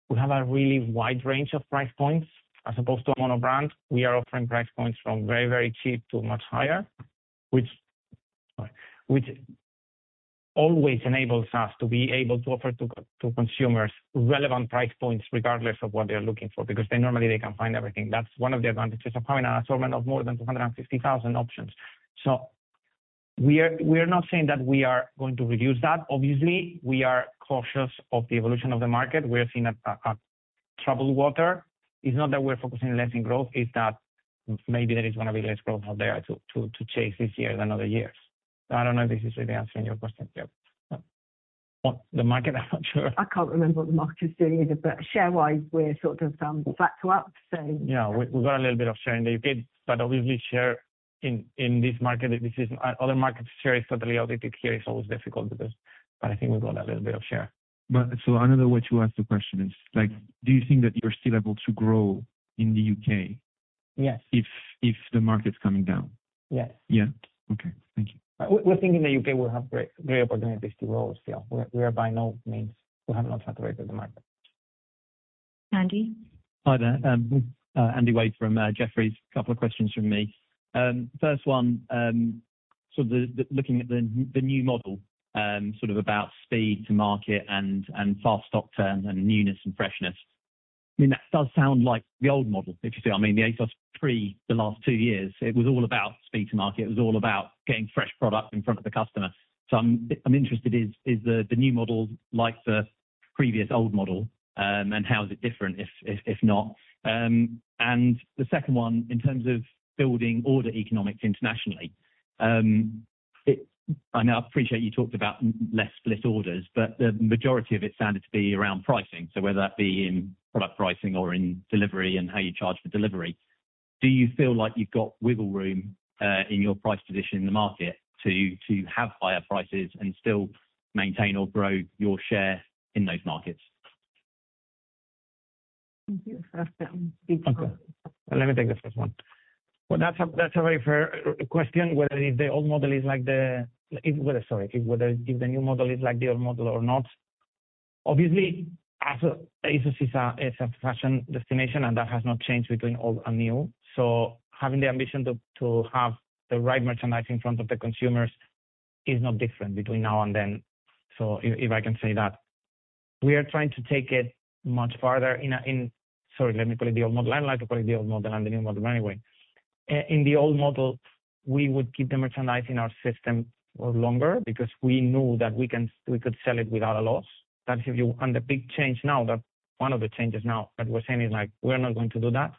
we have a really wide range of price points. As opposed to monobrand, we are offering price points from very, very cheap to much higher, which always enables us to be able to offer to consumers relevant price points regardless of what they are looking for, because they normally, they can find everything. That's one of the advantages of having an assortment of more than 250,000 options. We are not saying that we are going to reduce that. Obviously, we are cautious of the evolution of the market. We are seeing a troubled water. It's not that we're focusing less in growth, it's that maybe there is gonna be less growth out there to chase this year than other years. I don't know if this is really answering your question, yep. The market, I'm not sure. I can't remember what the market is doing either, but share-wise, we're sort of flat to up, so. Yeah, we've got a little bit of share in the U.K., but obviously share in this market. This is other markets share is totally already. Here it's always difficult because I think we've got a little bit of share. another way to ask the question is like, do you think that you're still able to grow in the UK? Yes. If the market's coming down? Yes. Yeah. Okay. Thank you. We think in the U.K. we'll have great opportunities to grow still. We are by no means, we have not saturated the market. Andy? Hi there. Andy Wade from Jefferies. Couple of questions from me. First one, sort of looking at the new model, sort of about speed to market and fast stock turn and newness and freshness. I mean, that does sound like the old model. If you see, I mean, the ASOS pre the last two years, it was all about speed to market. It was all about getting fresh product in front of the customer. I'm interested. Is the new model like the previous old model, and how is it different if not? The second one, in terms of building order economics internationally, I know, I appreciate you talked about less split orders, but the majority of it sounded to be around pricing. Whether that be in product pricing or in delivery and how you charge for delivery. Do you feel like you've got wiggle room in your price position in the market to have higher prices and still maintain or grow your share in those markets? Thank you for asking. Okay. Let me take the first one. Well, that's a very fair question, whether the new model is like the old model or not. Obviously, ASOS is a fashion destination, and that has not changed between old and new. Having the ambition to have the right merchandise in front of the consumers is not different between now and then. If I can say that. We are trying to take it much farther. Sorry, let me put it the old model. I don't like to call it the old model and the new model anyway. In the old model, we would keep the merchandise in our system for longer because we knew that we could sell it without a loss. On the big change now, that one of the changes now that we're saying is like, we're not going to do that.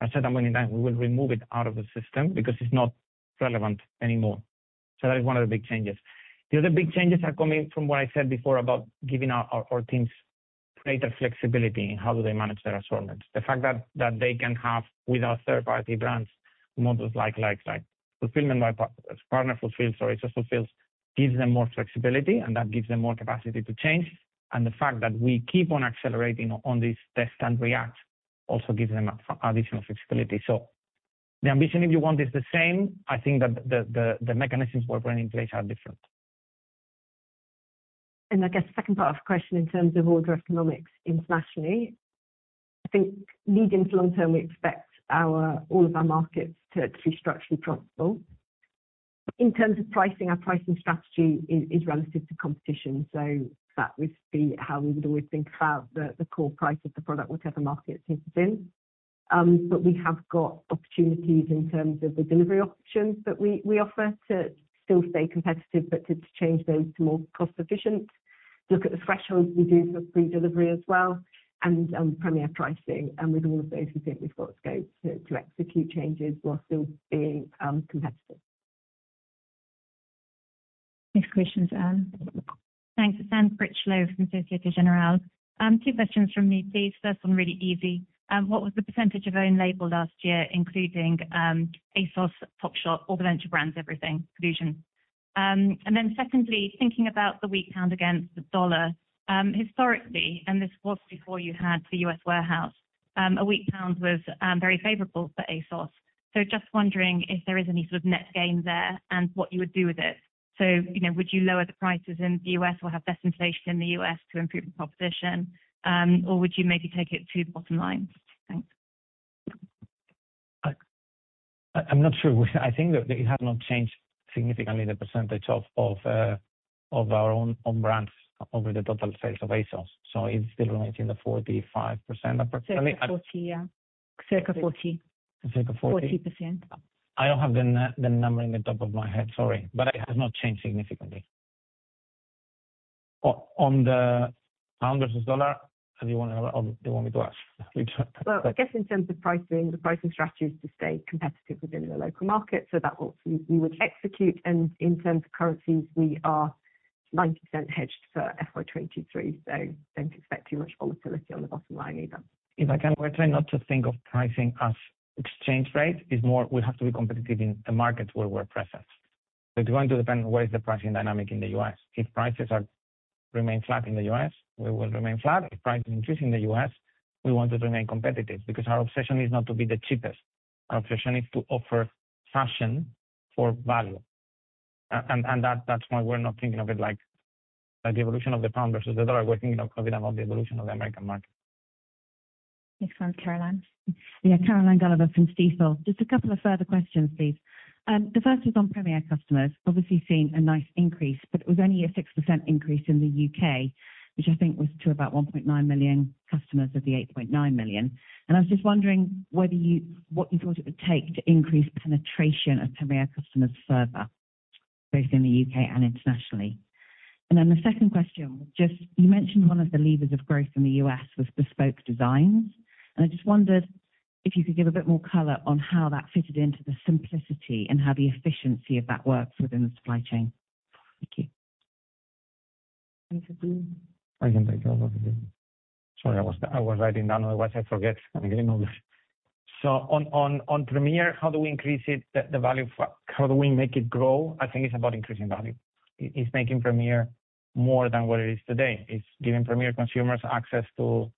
I said that many times. We will remove it out of the system because it's not relevant anymore. That is one of the big changes. The other big changes are coming from what I said before about giving our teams greater flexibility in how they manage their assortments. The fact that they can have with our third-party brands, models like Partner Fulfils or ASOS Fulfils, gives them more flexibility, and that gives them more capacity to change. The fact that we keep on accelerating on this Test & React also gives them additional flexibility. The ambition, if you want, is the same. I think that the mechanisms we're putting in place are different. I guess the second part of the question in terms of order economics internationally, I think leading to long term, we expect all of our markets to be structurally profitable. In terms of pricing, our pricing strategy is relative to competition. That would be how we would always think about the core price of the product, whichever market it is in. We have got opportunities in terms of the delivery options that we offer to still stay competitive, but to change those to more cost efficient. Look at the thresholds we do for free delivery as well, and Premier pricing. With all of those, we think we've got scope to execute changes while still being competitive. Next question, Anne. Thanks. It's Anne Critchlow from Société Générale. Two questions from me, please. First one really easy. What was the percentage of own label last year, including ASOS, Topshop, all the venture brands, everything, Collusion. And then secondly, thinking about the weak pound against the dollar, historically, and this was before you had the U.S. warehouse, a weak pound was very favorable for ASOS. Just wondering if there is any sort of net gain there and what you would do with it. You know, would you lower the prices in the U.S. or have better inflation in the U.S. to improve the competition, or would you maybe take it to the bottom line? Thanks. I'm not sure. I think that it has not changed significantly the percentage of our own brands over the total sales of ASOS. It's still remaining the 45% approximately. Circa 40, yeah. Circa 40. Circa 40. 40%. I don't have the number off the top of my head. Sorry. It has not changed significantly. On the pound versus dollar, do you want me to answer? Well, I guess in terms of pricing, the pricing strategy is to stay competitive within the local market, so that we would execute. In terms of currencies, we are 90% hedged for FY23, so don't expect too much volatility on the bottom line either. If I can, we're trying not to think of pricing as exchange rate. It's more we have to be competitive in the markets where we're present. It's going to depend on what the pricing dynamic is in the U.S.. If prices remain flat in the U.S., we will remain flat. If prices increase in the U.S., we want to remain competitive because our obsession is not to be the cheapest. Our obsession is to offer fashion for value. That's why we're not thinking of it like the evolution of the pound versus the dollar. We're thinking about the evolution of the American market. Next one, Caroline. Yeah, Caroline Gulliver from Stifel. Just a couple of further questions, please. The first is on Premier customers. Obviously, seen a nice increase, but it was only a 6% increase in the U.K., which I think was to about 1.9 million customers of the 8.9 million. I was just wondering what you thought it would take to increase penetration of Premier customers further, both in the U.K. and internationally. Then the second question, just you mentioned one of the levers of growth in the U.S. was bespoke designs, and I just wondered if you could give a bit more color on how that fitted into the simplicity and how the efficiency of that works within the supply chain. Thank you. [d]. I can take over. Sorry, I was writing down, otherwise I forget. I'm getting older. On Premier, how do we increase it, the value of it. How do we make it grow? I think it's about increasing value. It's making Premier more than what it is today. It's giving Premier consumers access to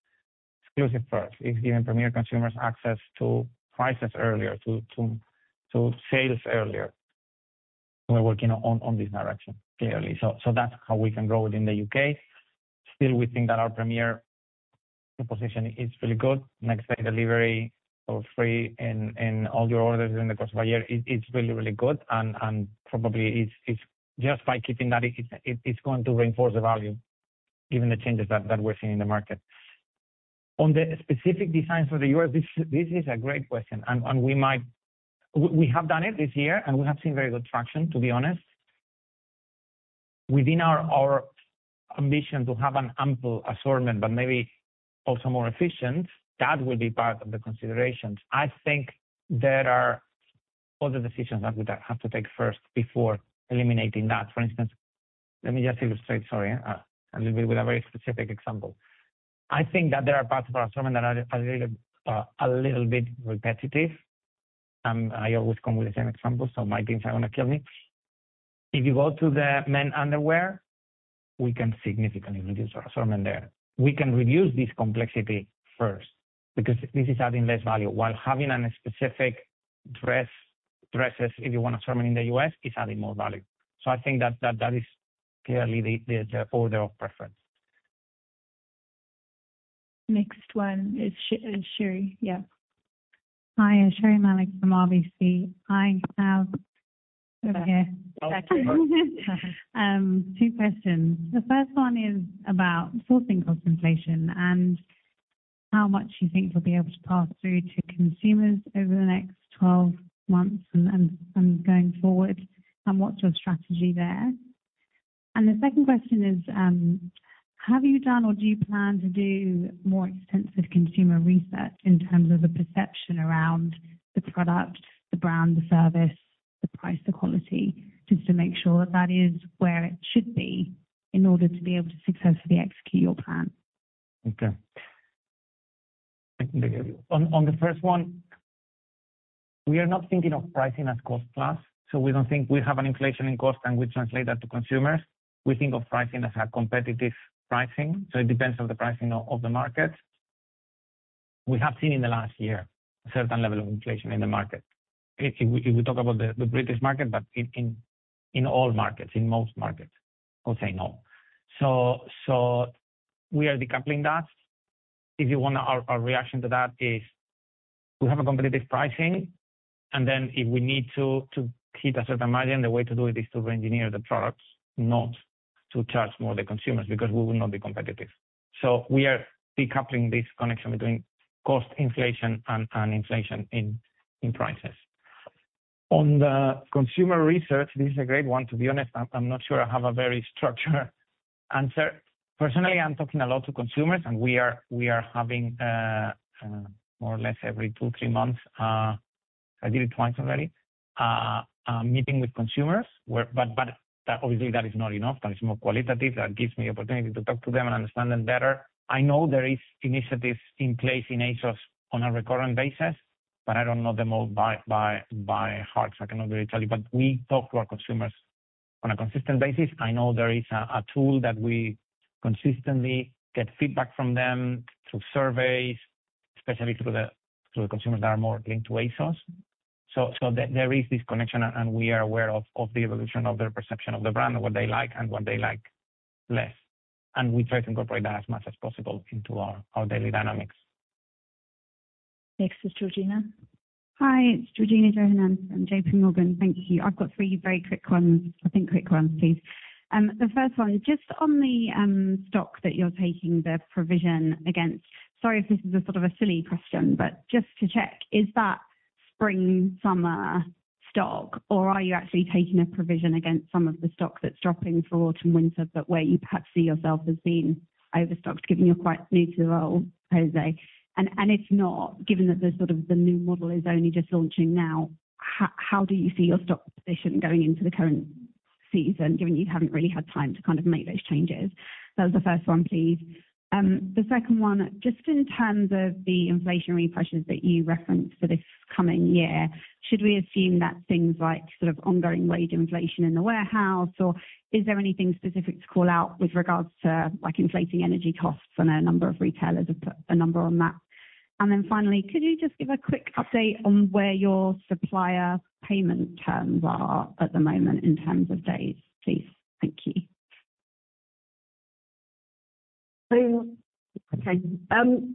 exclusive products. It's giving Premier consumers access to prices earlier, to sales earlier. We're working on this direction, clearly. That's how we can grow it in the U.K.. Still, we think that our Premier position is really good. Next day delivery for free in all your orders in the course of a year is really good and probably it's just by keeping that, it's going to reinforce the value, given the changes that we're seeing in the market. On the specific designs for the U.S., this is a great question and we have done it this year, and we have seen very good traction, to be honest. Within our ambition to have an ample assortment, but maybe also more efficient, that will be part of the considerations. I think there are other decisions that we have to take first before eliminating that. For instance, let me just illustrate, sorry, a little bit with a very specific example. I think that there are parts of our assortment that are a little bit repetitive, and I always come with the same example, so my teams are gonna kill me. If you go to the men underwear, we can significantly reduce our assortment there. We can reduce this complexity first because this is adding less value. While having a specific dresses in your assortment in the U.S. is adding more value. I think that is clearly the order of preference. Next one is Sherri Malek. Yeah. Hi. Sherri Malek from RBC. Okay. Two questions. The first one is about sourcing cost inflation and how much you think you'll be able to pass through to consumers over the next 12 months and going forward, and what's your strategy there? The second question is, have you done or do you plan to do more extensive consumer research in terms of the perception around the product, the brand, the service, the price, the quality, just to make sure that is where it should be in order to be able to successfully execute your plan? Okay. On the first one, we are not thinking of pricing as cost plus, so we don't think we have an inflation in cost, and we translate that to consumers. We think of pricing as a competitive pricing, so it depends on the pricing of the market. We have seen in the last year a certain level of inflation in the market. If we talk about the British market, but in all markets, in most markets, I'll say no. We are decoupling that. If you want our reaction to that is we have a competitive pricing, and then if we need to keep a certain margin, the way to do it is to reengineer the products, not to charge more the consumers, because we will not be competitive. We are decoupling this connection between cost inflation and inflation in prices. On the consumer research, this is a great one. To be honest, I'm not sure I have a very structured answer. Personally, I'm talking a lot to consumers, and we are having more or less every two, three months, I did it twice already, a meeting with consumers. That obviously is not enough. That is more qualitative. That gives me opportunity to talk to them and understand them better. I know there is initiatives in place in ASOS on a recurring basis, but I don't know them all by heart, so I cannot really tell you. We talk to our consumers on a consistent basis. I know there is a tool that we consistently get feedback from them through surveys, specifically to the consumers that are more linked to ASOS. There is this connection, and we are aware of the evolution of their perception of the brand and what they like and what they like less, and we try to incorporate that as much as possible into our daily dynamics. Next is Georgina. Hi, it's Georgina Johanan from J.P. Morgan. Thank you. I've got three very quick ones. I think quick ones, please. The first one, just on the stock that you're taking the provision against. Sorry if this is a sort of a silly question, but just to check, is that spring/summer stock, or are you actually taking a provision against some of the stock that's dropping for autumn/winter, but where you perhaps see yourself as being overstocked, given you're quite new to the role, José? If not, given that the sort of new model is only just launching now, how do you see your stock position going into the current season, given you haven't really had time to kind of make those changes. That was the first one, please. The second one, just in terms of the inflationary pressures that you referenced for this coming year. Should we assume that things like sort of ongoing wage inflation in the warehouse, or is there anything specific to call out with regards to, like, inflating energy costs? I know a number of retailers have put a number on that. Finally, could you just give a quick update on where your supplier payment terms are at the moment in terms of days, please? Thank you.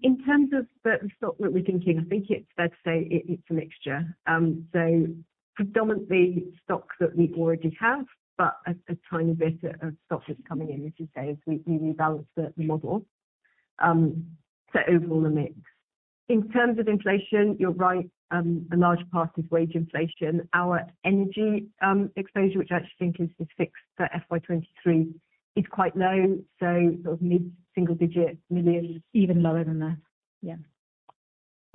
In terms of the stock that we're thinking, I think it's fair to say it's a mixture. Predominantly stock that we already have, but a tiny bit of stock that's coming in, as you say, as we rebalance the model, overall a mix. In terms of inflation, you're right, a large part is wage inflation. Our energy exposure, which I actually think is fixed for FY23, is quite low, so sort of mid-single-digit million. Even lower than that.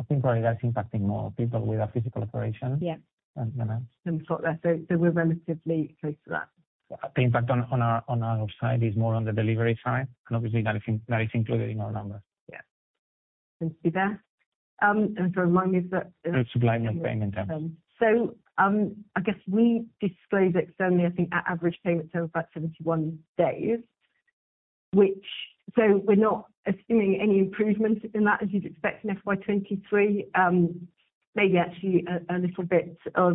I think probably that's impacting more people with our physical operations. Yeah than us. Than stock. We're relatively close to that. The impact on our side is more on the delivery side, and obviously that is included in our numbers. Yeah. Thanks for that. Remind me of that. The supplier payment terms. I guess we disclosed externally I think our average payment term is about 71 days, which we're not assuming any improvements in that as you'd expect in FY23. Maybe actually a little bit of.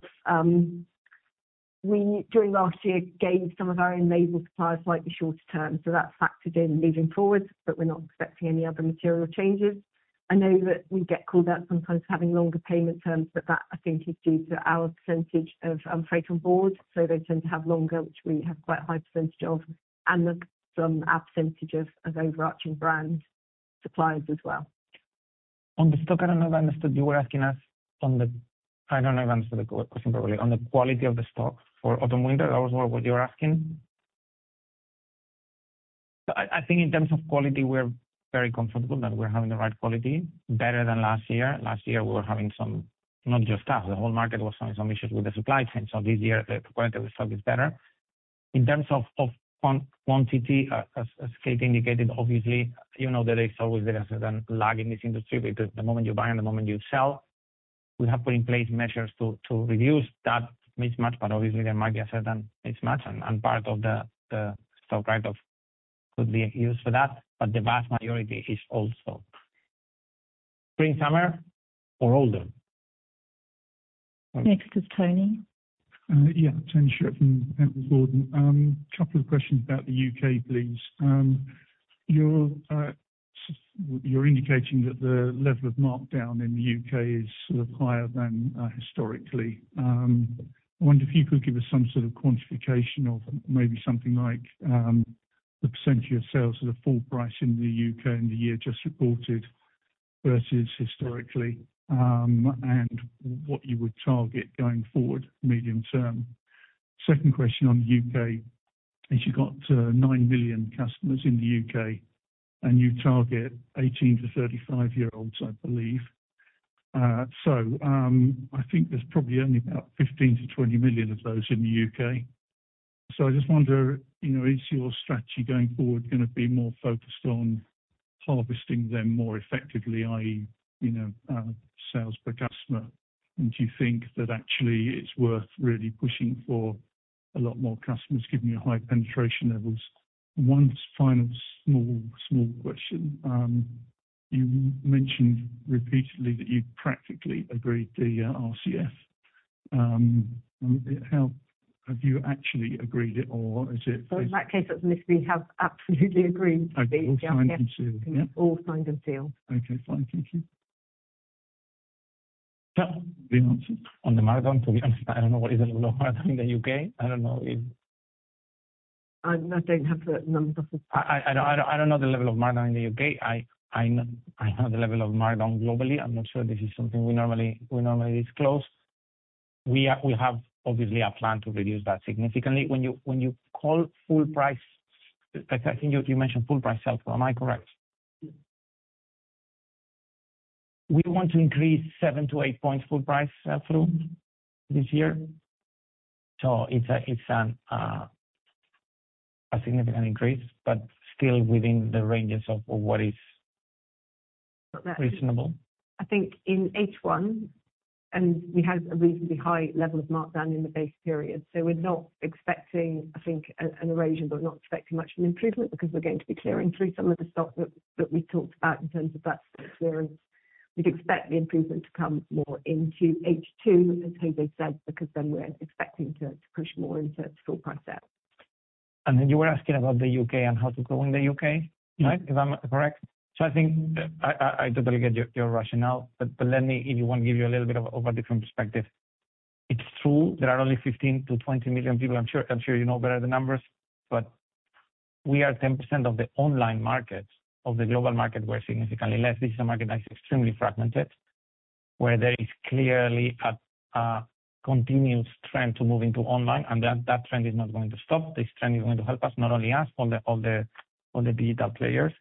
We during last year gave some of our enabled suppliers slightly shorter terms, so that's factored in going forward. But we're not expecting any other material changes. I know that we get called out sometimes for having longer payment terms, but that I think is due to our percentage of freight on board, so they tend to have longer, which we have quite a high percentage of. Some percentages of overarching brand suppliers as well. On the stock, I don't know if I understood. You were asking us. I don't know if I understood the question properly. On the quality of the stock for autumn, winter, that was what you're asking? I think in terms of quality, we're very comfortable that we're having the right quality, better than last year. Last year, we were having some, not just us, the whole market was having some issues with the supply chain. This year the quality of the stock is better. In terms of quantity, as Kate indicated, obviously, you know that there's always a lag in this industry because the moment you buy and the moment you sell. We have put in place measures to reduce that mismatch, but obviously there might be a certain mismatch and part of the stock write-off could be used for that. The vast majority is also spring/summer or older. Next is Tony. Yeah. Tony Shiret from Panmure Gordon. Couple of questions about the U.K., please. You're indicating that the level of markdown in the U.K. is sort of higher than historically. I wonder if you could give us some sort of quantification of maybe something like the percentage of sales at a full price in the U.K. in the year just reported versus historically, and what you would target going forward medium-term. Second question on the U.K. is you've got 9 million customers in the U.K., and you target 18- to 35-year-olds, I believe. So I think there's probably only about 15- to 20 million of those in the U.K.. I just wonder, you know, is your strategy going forward gonna be more focused on harvesting them more effectively, i.e., you know, sales per customer. Do you think that actually it's worth really pushing for a lot more customers, given your high penetration levels? One final small question. You mentioned repeatedly that you'd practically agreed the RCF. Have you actually agreed it or is it? Sorry, in that case, it's missed. We have absolutely agreed the RCF. Okay. All signed and sealed, yeah? All signed and sealed. Okay, fine. Thank you. Yeah. On the markdown, to be honest, I don't know what is the level of markdown in the U.K.. I don't know if I don't have the numbers. I don't know the level of markdown in the U.K.. I know the level of markdown globally. I'm not sure this is something we normally disclose. We have obviously a plan to reduce that significantly. When you call full price, I think you mentioned full price sell through. Am I correct? Mm-hmm. We want to increase seven to eight points full price through this year. It's a significant increase, but still within the ranges of what is reasonable. I think in H1, we had a reasonably high level of markdown in the base period. We're not expecting, I think, an erosion, but we're not expecting much of an improvement because we're going to be clearing through some of the stock that we talked about in terms of that clearance. We'd expect the improvement to come more into H2, as José said, because then we're expecting to push more into full price there. Then you were asking about the U.K. and how to grow in the U.K., right? If I'm correct. I think I totally get your rationale, but let me, if you want, give you a little bit of a different perspective. It's true there are only 15-20 million people. I'm sure you know better the numbers, but we are 10% of the online market. Of the global market, we're significantly less. This is a market that is extremely fragmented, where there is clearly a continuous trend to move into online, and that trend is not going to stop. This trend is going to help us, not only us, all the digital players.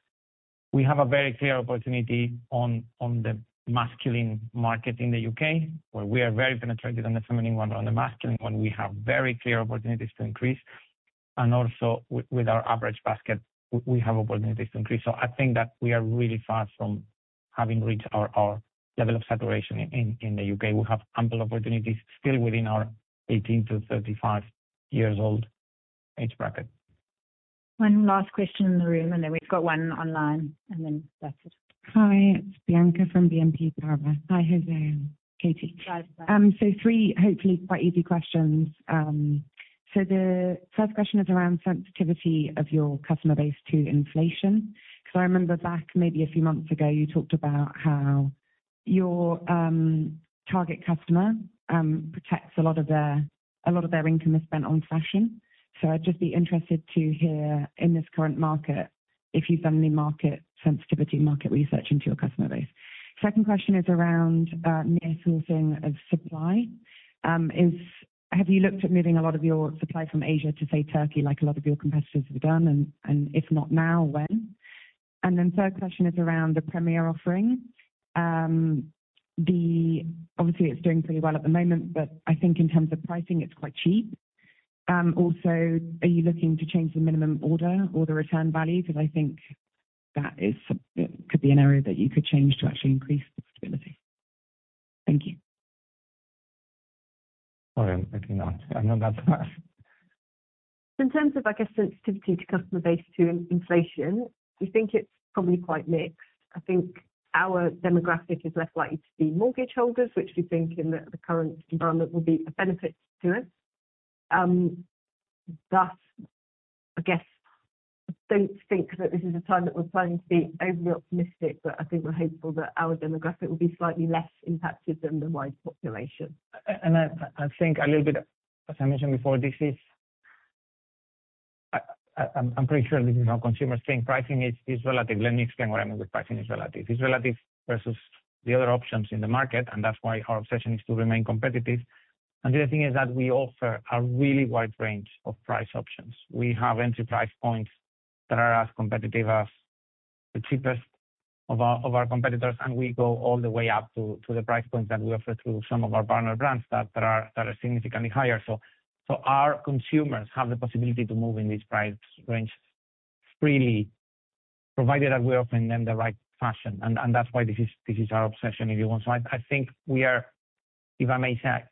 We have a very clear opportunity on the masculine market in the U.K., where we are very penetrated on the feminine one. On the masculine one, we have very clear opportunities to increase. Also with our average basket, we have opportunities to increase. I think that we are really far from having reached our level of saturation in the U.K.. We have ample opportunities still within our 18-35 years old age bracket. One last question in the room, and then we've got one online, and then that's it. Hi, it's Bianca from BNP Paribas. Hi, José, Katy. Hi. Three, hopefully quite easy questions. The first question is around sensitivity of your customer base to inflation. I remember back maybe a few months ago, you talked about how your target customer protects a lot of their income is spent on fashion. I'd just be interested to hear in this current market, if you've done any market sensitivity, market research into your customer base. Second question is around nearshoring of supply. Have you looked at moving a lot of your supply from Asia to say, Turkey, like a lot of your competitors have done? If not now, when? Third question is around the Premier offering. Obviously, it's doing pretty well at the moment, but I think in terms of pricing, it's quite cheap. Also, are you looking to change the minimum order or the return value? Because I think that could be an area that you could change to actually increase the stability. Thank you. All right. I can answer. I know that's. In terms of, I guess, sensitivity to customer base to inflation, we think it's probably quite mixed. I think our demographic is less likely to be mortgage holders, which we think in the current environment will be a benefit to us. Thus, I guess, I don't think that this is a time that we're planning to be overly optimistic, but I think we're hopeful that our demographic will be slightly less impacted than the wider population. I think a little bit, as I mentioned before, I'm pretty sure this is how consumers think pricing is relative. Let me explain what I mean with pricing is relative. It's relative versus the other options in the market, and that's why our obsession is to remain competitive. The other thing is that we offer a really wide range of price options. We have entry price points that are as competitive as the cheapest of our competitors, and we go all the way up to the price points that we offer through some of our partner brands that are significantly higher. Our consumers have the possibility to move in these price range freely, provided that we're offering them the right fashion. That's why this is our obsession, if you want. I think we are, if I may say,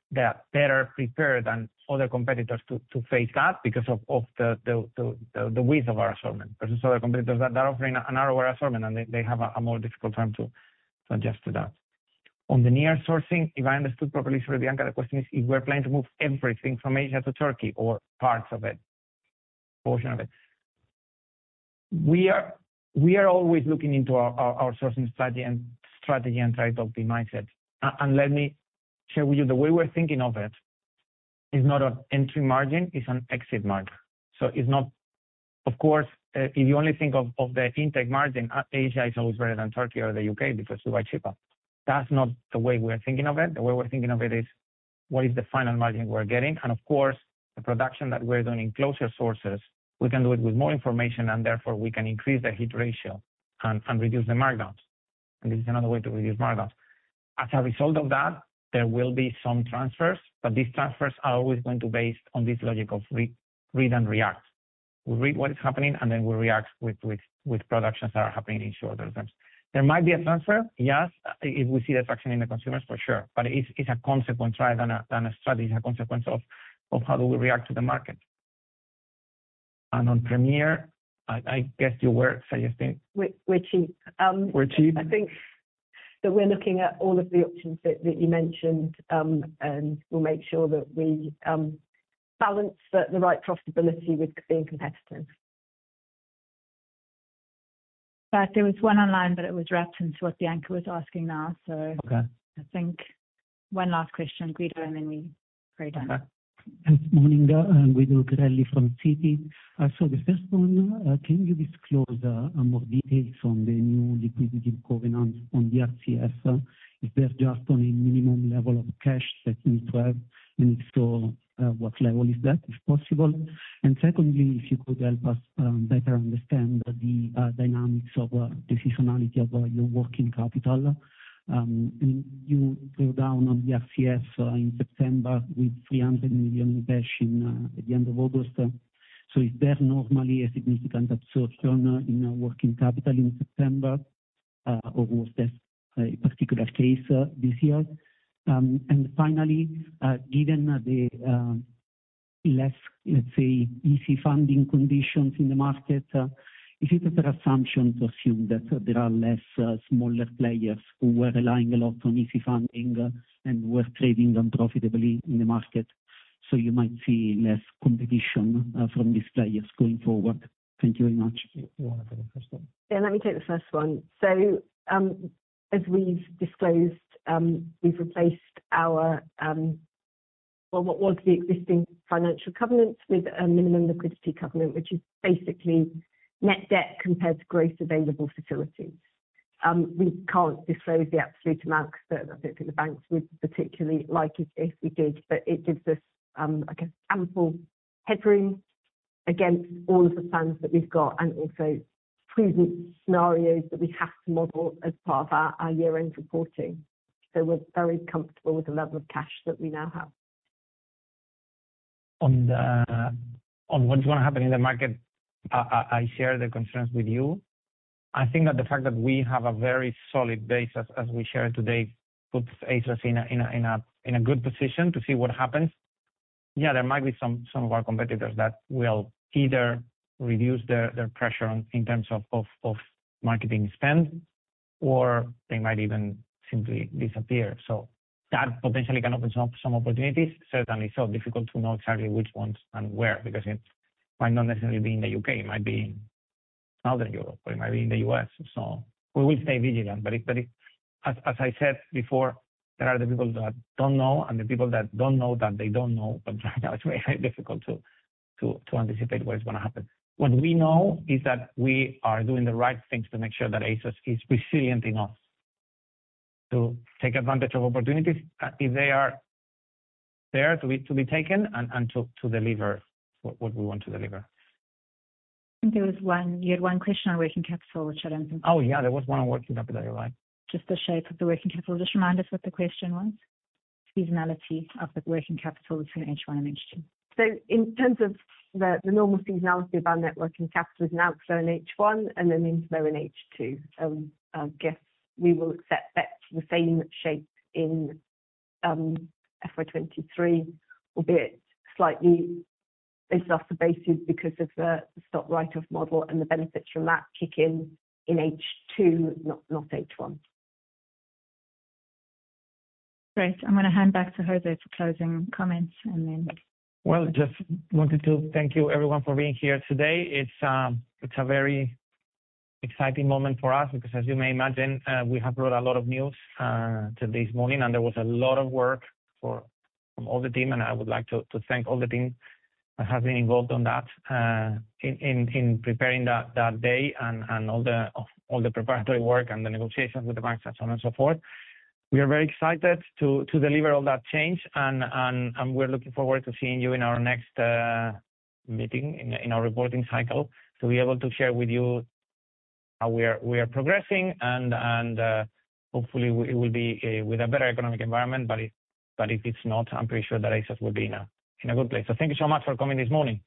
better prepared than other competitors to face that because of the width of our assortment versus other competitors that they're offering a narrower assortment, and they have a more difficult time to adjust to that. On the nearshoring, if I understood properly, sorry, Bianca, the question is if we're planning to move everything from Asia to Turkey or parts of it, portion of it. We are always looking into our sourcing strategy and try to be mindset. And let me share with you the way we're thinking of it is not an intake margin, it's an exit margin. It's not. Of course, if you only think of the intake margin, Asia is always better than Turkey or the U.K. because it's way cheaper. That's not the way we're thinking of it. The way we're thinking of it is what is the final margin we're getting? Of course, the production that we're doing in closer sources, we can do it with more information, and therefore we can increase the hit ratio and reduce the markdowns. This is another way to reduce markdowns. As a result of that, there will be some transfers, but these transfers are always going to be based on this logic of read and react. We read what is happening, and then we react with productions that are happening in shorter terms. There might be a transfer, yes, if we see the traction in the consumers, for sure. It is a consequence rather than a strategy. It's a consequence of how do we react to the market. On Premier, I guess you were suggesting. We're cheap. We're cheap. I think that we're looking at all of the options that you mentioned, and we'll make sure that we balance the right profitability with being competitive. There was one online, but it was wrapped into what Bianca was asking now. Okay. I think one last question, Guido, and then we break down. Okay. Good morning. Guido Grelli from Citi. The first one, can you disclose more details on the new liquidity covenants on the RCF? Is that just on a minimum level of cash that you need to have? If so, what level is that, if possible? Secondly, if you could help us better understand the dynamics of the seasonality of your working capital. You go down on the RCF in September with 300 million in cash at the end of August. Is there normally a significant absorption in working capital in September, or was this a particular case this year? Finally, given the less, let's say, easy funding conditions in the market, is it a fair assumption to assume that there are less smaller players who were relying a lot on easy funding and were trading unprofitably in the market, so you might see less competition from these players going forward? Thank you very much. You wanna take the first one? Yeah, let me take the first one. As we've disclosed, we've replaced our, well, what was the existing financial covenant with a minimum liquidity covenant, which is basically net debt compared to gross available facility. We can't disclose the absolute amount because I don't think the banks would particularly like it if we did, but it gives us, I guess, ample headroom against all of the plans that we've got and also prudent scenarios that we have to model as part of our year-end reporting. We're very comfortable with the level of cash that we now have. On what's gonna happen in the market, I share the concerns with you. I think that the fact that we have a very solid base as we share today puts ASOS in a good position to see what happens. Yeah, there might be some of our competitors that will either reduce their pressure in terms of marketing spend, or they might even simply disappear. That potentially can open up some opportunities, certainly. Difficult to know exactly which ones and where, because it might not necessarily be in the UK. It might be in Southern Europe, or it might be in the US. We will stay vigilant. As I said before, there are the people that don't know, and the people that don't know that they don't know, but right now it's very difficult to anticipate what is gonna happen. What we know is that we are doing the right things to make sure that ASOS is resilient enough to take advantage of opportunities, if they are there to be taken and to deliver what we want to deliver. You had one question on working capital, which I don't think. Oh, yeah, there was one on working capital. You're right. Just the shape of the working capital. Just remind us what the question was. Seasonality of the working capital between H1 and H2. In terms of the normal seasonality of our net working capital is an outflow in H1 and then inflow in H2. I guess we will expect the same shape in FY23, albeit slightly based off a lower base because of the stock write-off model and the benefits from that kick in H2, not H1. Great. I'm gonna hand back to José for closing comments. Well, just wanted to thank you everyone for being here today. It's a very exciting moment for us because as you may imagine, we have brought a lot of news to this morning, and there was a lot of work from all the team, and I would like to thank all the team that have been involved on that, in preparing that day and all the preparatory work and the negotiations with the banks and so on and so forth. We are very excited to deliver all that change and we're looking forward to seeing you in our next meeting in our reporting cycle, to be able to share with you how we are progressing and hopefully it will be with a better economic environment. If it's not, I'm pretty sure that ASOS will be in a good place. Thank you so much for coming this morning.